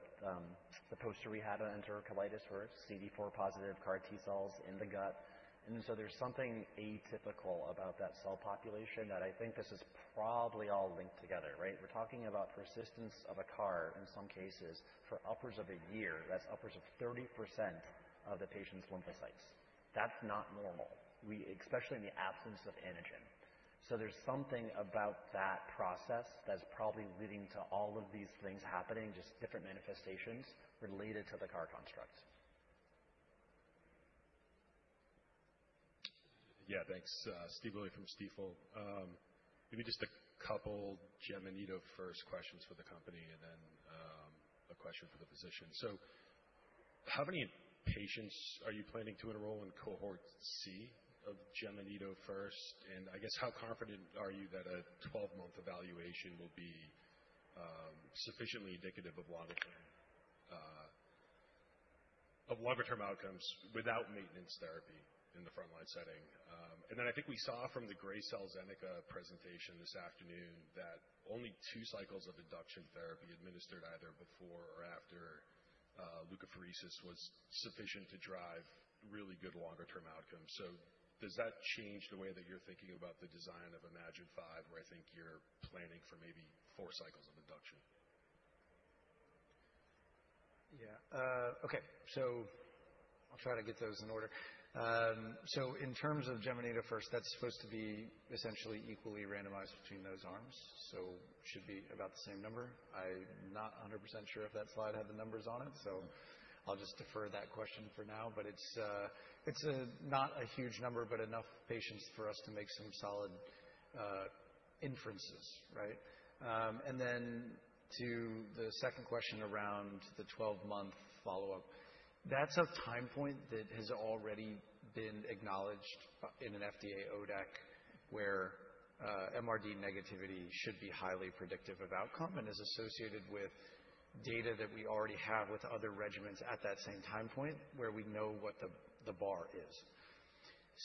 poster rehab enterocolitis first CD4-positive CAR T cells in the gut. And so there's something atypical about that cell population that I think this is probably all linked together. Right. We're talking about persistence of a CAR in some cases for upwards of a year. That's upwards of 30% of the patient's lymphocytes. That's not normal, especially in the absence of antigen. So there's something about that process that's probably leading to all of these things happening, just different manifestations related to the CAR construct. Yeah, thanks. Stephen Willey from Stifel. Maybe just a couple Anito-First questions for the company and then a question for the physician. So how many patients are you planning to enroll in Cohort C of Anito-First and I guess how confident are you that a 12-month evaluation will be sufficiently indicative of. Longer term outcomes without maintenance therapy in the frontline setting? And then I think we saw from the Gracell AstraZeneca presentation this afternoon that only two cycles of induction therapy administered either before or after leukapheresis was sufficient to drive really good longer term outcomes. So does that change the way that you're thinking about the design of iMMagine-5 where I think you're planning for maybe four cycles of induction? Yeah. Okay, so I'll try to get those in order. So in terms of Anito-First, that's supposed to be essentially equally randomized between those arms, so should be about the same number. I'm not 100% sure if that slide had the numbers on it, so I'll just defer that question for now. But it's not a huge number, but enough patients for us to make some solid inferences. Right. And then to the second question around the 12-month follow-up. That's a time point that has already been acknowledged in an FDA ODAC where MRD negativity should be highly predictive of outcome and is associated with data that we already have with other regimens at that same time point where we know what the bar is.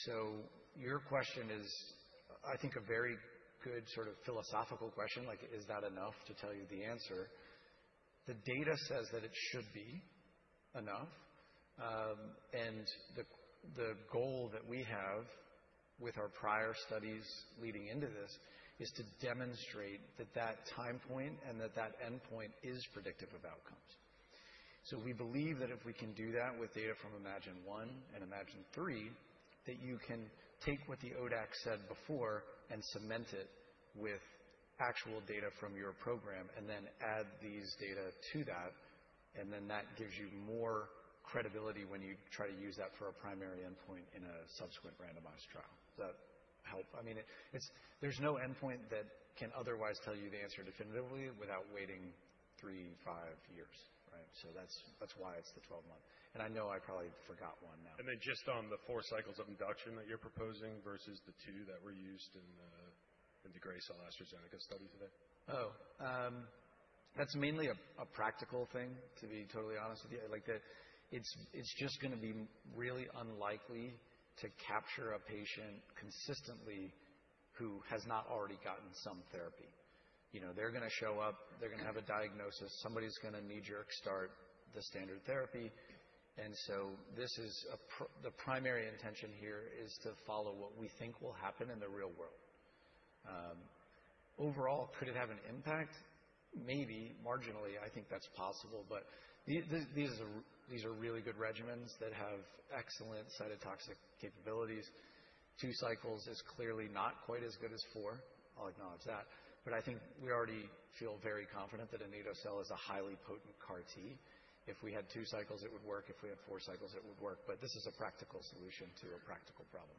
So your question is, I think, a very good sort of philosophical question like is that enough to tell you the answer? The data says that it should be enough. And the question, the goal that we have with our prior studies leading into this is to demonstrate that that time point and that that endpoint is predictive of outcomes. So, we believe that if we can do that with data from iMMagine-1 and iMMagine-3, that you can take what the ODAC said before and cement it with actual data from your program, and then add these data to that, and then that gives you more credibility when you try to use that for a primary endpoint in a subsequent randomized trial. Does that help? I mean, there's no endpoint that can otherwise tell you the answer definitively without waiting three, five years. Right. So that's why it's the 12-month. And I know I probably forgot one. No, and then just on the four cycles of induction that you're proposing versus the two that were used in the Gracell AstraZeneca study to date. Oh, that's mainly a practical thing to be totally honest with you, like that. It's, it's just going to be really unlikely to capture a patient consistently who has not already gotten some therapy. You know, they're going to show up, they're going to have a diagnosis, somebody's going to knee jerk, start the standard therapy. And so this is the primary intention here is to follow what we think will happen in the real world. Overall. Could it have an impact? Maybe marginally, I think that's possible. But these are really good regimens that have excellent cytotoxic capabilities. Two cycles is clearly not quite as good as four, I'll acknowledge that. But I think we already feel very confident that an anito-cel is a highly potent CAR T. If we had two cycles it would work. If we had four cycles it would work. But this is a practical solution to a practical problem.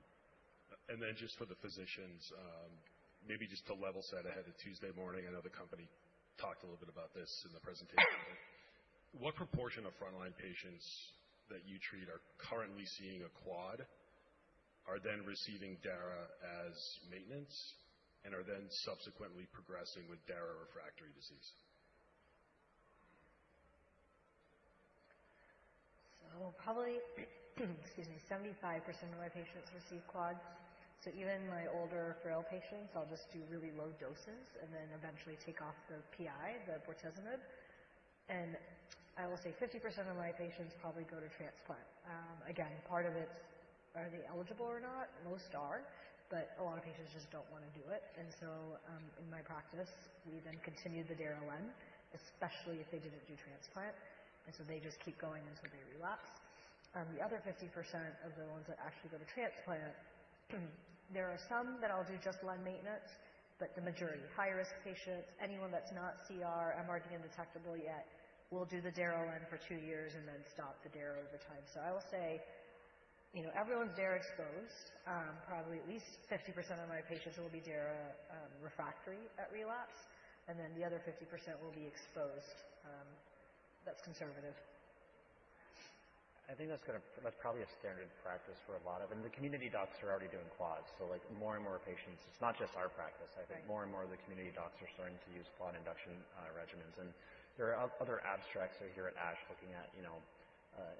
And then just for the physicians maybe just to level set ahead of Tuesday morning, I know the company talked a little bit about this in the presentation. What proportion of frontline patients that you treat are currently seeing a quad, are then receiving Dara as maintenance and are then subsequently progressing with Dara refractory disease? Probably, excuse me, 75% of my patients receive quads. Even my older frail patients, I'll just do really low doses and then eventually take off the PI, the bortezomib, and I will say 50% of my patients probably go to transplant. Again, part of it's are they eligible or not? Most are, but a lot of patients just don't want to do it. In my practice we then continue the Dara Len especially if they didn't do transplant and so they just keep going until they relapse. The other 50% of the ones that actually go to transplant, there are some that I'll do just Len maintenance but the majority high risk patients, anyone that's not sCR, MRD undetectable yet will do the Dara Len for two years and then stop the Dara over time. So I'll say, you know, everyone's Dara exposed. Probably at least 50% of my patients will be Dara refractory at relapse, and then the other 50% will be exposed. That's conservative. I think that's gonna, that's probably a standard practice for a lot of. The community docs are already doing quads. So, like, more and more patients, it's not just our practice. I think more and more of the community docs are starting to use quad induction regimens. There are other abstracts here at ASH looking at, you know,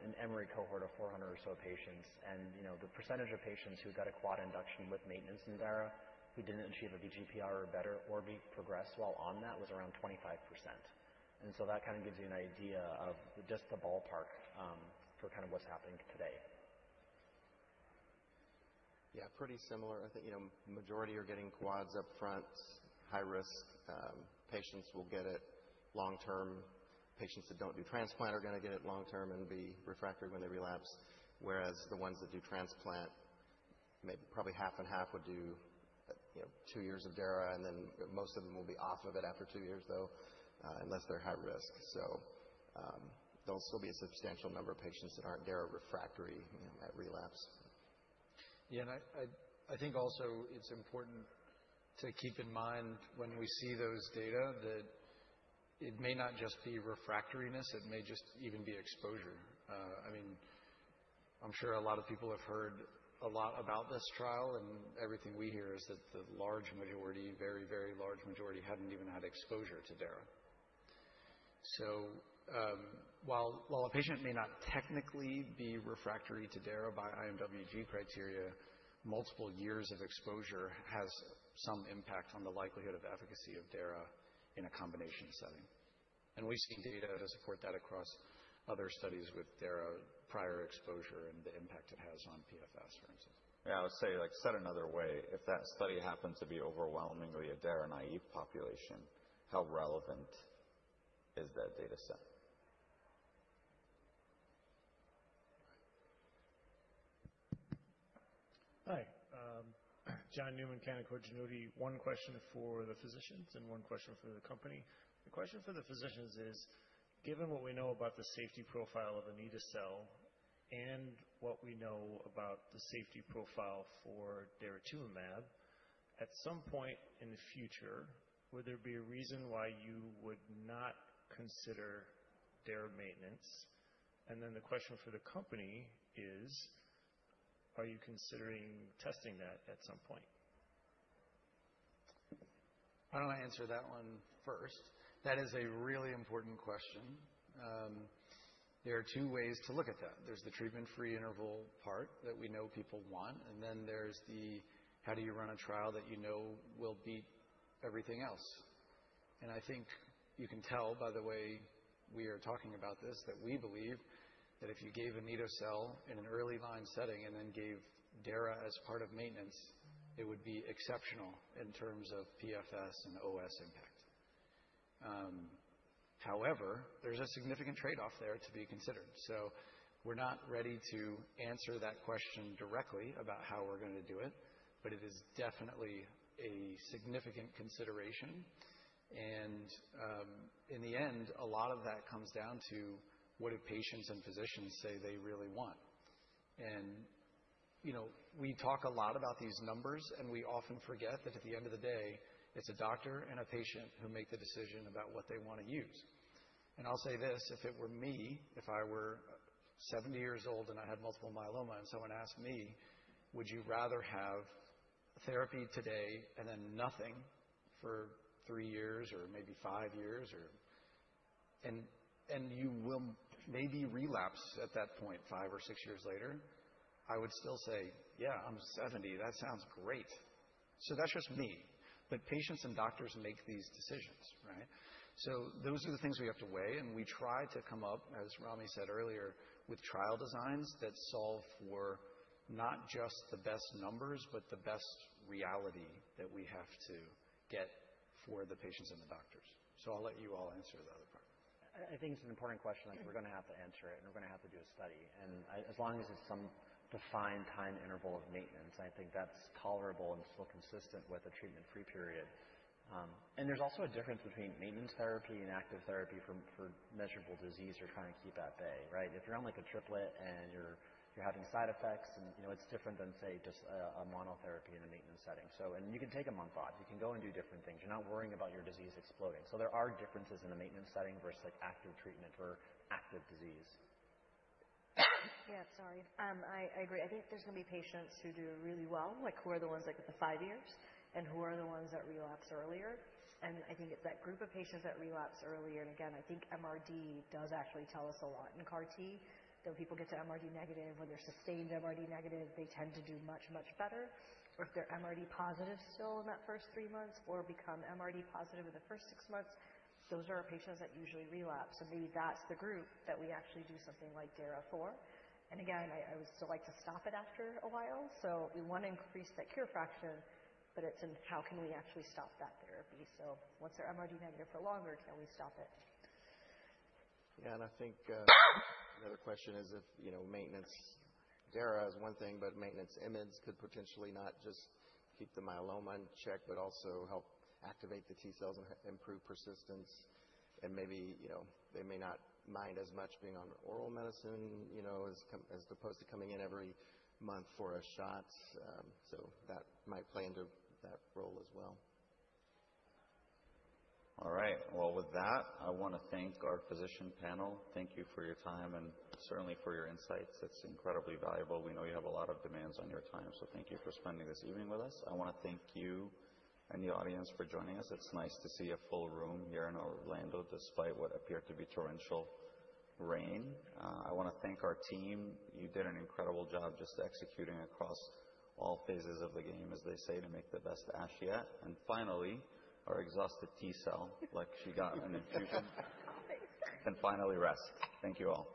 an Emory cohort of 400 or so patients and, you know, the percentage of patients who got a quad induction with maintenance in Dara who didn't achieve a VGPR or better or progressed while on that was around 25%. So that kind of gives you an idea of just the ballpark for kind of what's happening today. Yeah, pretty similar, I think. You know, majority are getting quads up front. High risk patients will get it long term. Patients that don't do transplant are going to get it long term and be refractory when they relapse, whereas the ones that do transplant, probably half and half would do two years of Dara and then most of them will be off of it after two years, though, unless they're high risk. So there'll still be a substantial number of patients that aren't Dara refractory at relapse. Yeah. And I think also it's important to keep in mind when we see those data that it may not just be refractoriness, it may just even be exposure. I mean, I'm sure a lot of people have heard a lot about this trial, and everything we hear is that the large majority, very, very large majority, hadn't even had exposure to Dara. So while a patient may not technically be refractory to Dara by IMWG criteria, multiple years of exposure has some. Impact on the likelihood of efficacy of. Dara in a combination setting. And we've seen data to support that across other studies with Dara prior exposure and the impact it has on PFS, for instance. Yeah, I would say, like said another way, if that study happened to be overwhelmingly a Dara naive population, how relevant is that data set? Hi, John Newman, Canaccord Genuity. One question for the physicians and one question for the company. The question for the physicians is, given what we know about the safety profile of anito-cel and what we know about the safety profile for daratumumab at. Some point in the future, would there? there a reason why you would not consider Dara maintenance? And then the question for the company. Are you considering testing that at some point? Why don't I answer that one first? That is a really important question. There are two ways to look at that. There's the treatment free interval part that we know people want, and then there's the how do you run a trial that you know will beat everything else? And I think you can tell by the way we are talking about this that we believe that if you gave an anito-cel in an early line setting and then gave Dara as part of maintenance, it would be exceptional in terms of PFS and OS impact. However, there's a significant trade-off there to be considered. So we're not ready to answer that question directly about how we're going to do it. But it is definitely a significant consideration. And in the end, a lot of that comes down to what do patients and physicians say they really want? And you know, we talk a lot about these numbers and we often forget that at the end of the day it's a doctor and a patient who make the decision about what they want to use. And I'll say this. If it were me, if I were 70 years old and I had multiple myeloma and someone asked me, would you rather have therapy today and then nothing for three years or maybe five years. And you will maybe relapse at that point, five or six years later, I would still say, yeah, I'm 70. That sounds great, right. So that's just me. But patients and doctors make these decisions, right? So those are the things we have to weigh and we try to come up, as Rami said earlier, with trial designs that solve for not just the best numbers, but the best reality that we have to get for the patients and the doctors. So I'll let you all answer the other part. I think it's an important question. We're going to have to answer it and we're going to have to do a study. And as long as it's some defined time interval of maintenance, I think that's tolerable and still consistent with a treatment free period. And there's also a difference between maintenance therapy and active therapy for measurable disease you're trying to keep at bay, right? If you're on like a triplet and you're having side effects and you know, it's different than say just a monotherapy in a maintenance setting. So, and you can take a month off, you can go and do different things, you're not worrying about your disease exploding. So there are differences in the maintenance setting versus, like, active treatment or active disease. Yeah, sorry. I agree. I think there's gonna be patients who do really well, like, who are the ones that get the five years and who are the ones that relapse earlier? And I think it's that group of patients that relapse earlier. And again, I think MRD does actually tell us a lot in CAR T that people get to MRD negative or they're sustained MRD negative, they tend to do much, much better. Or if they're MRD positive still in that first three months or become MRD positive in the first six months, those are patients that usually relapse. So maybe that's the group that we actually do something like Dara for. And again, I would still like to stop it after a while. So we want to increase that cure fraction, but it's in. How can we actually stop that therapy? So once they're MRD negative for longer, can we stop it? Yeah. I think another question is if, you know, maintenance Dara is one thing, but maintenance IMIDs could potentially not just keep the myeloma in check, but also help activate the T cells and improve persistence. And maybe, you know, they may not mind as much being on oral medicine, you know, as opposed to coming in every month for a shot. So that might play into that role as well. All right, well, with that, I want to thank our physician panel. Thank you for your time and certainly for your insights. It's incredibly valuable. We know you have a lot of demands on your time, so thank you for spending this evening with us. I want to thank you and the audience for joining us. It's nice to see a full room here in Orlando, despite what appeared to be torrential rain. I want to thank our team. You did an incredible job just executing across all phases of the game, as they say, to make the best ASH yet. And finally, our exhausted T cell, like, she got an infusion and finally rest. Thank you all.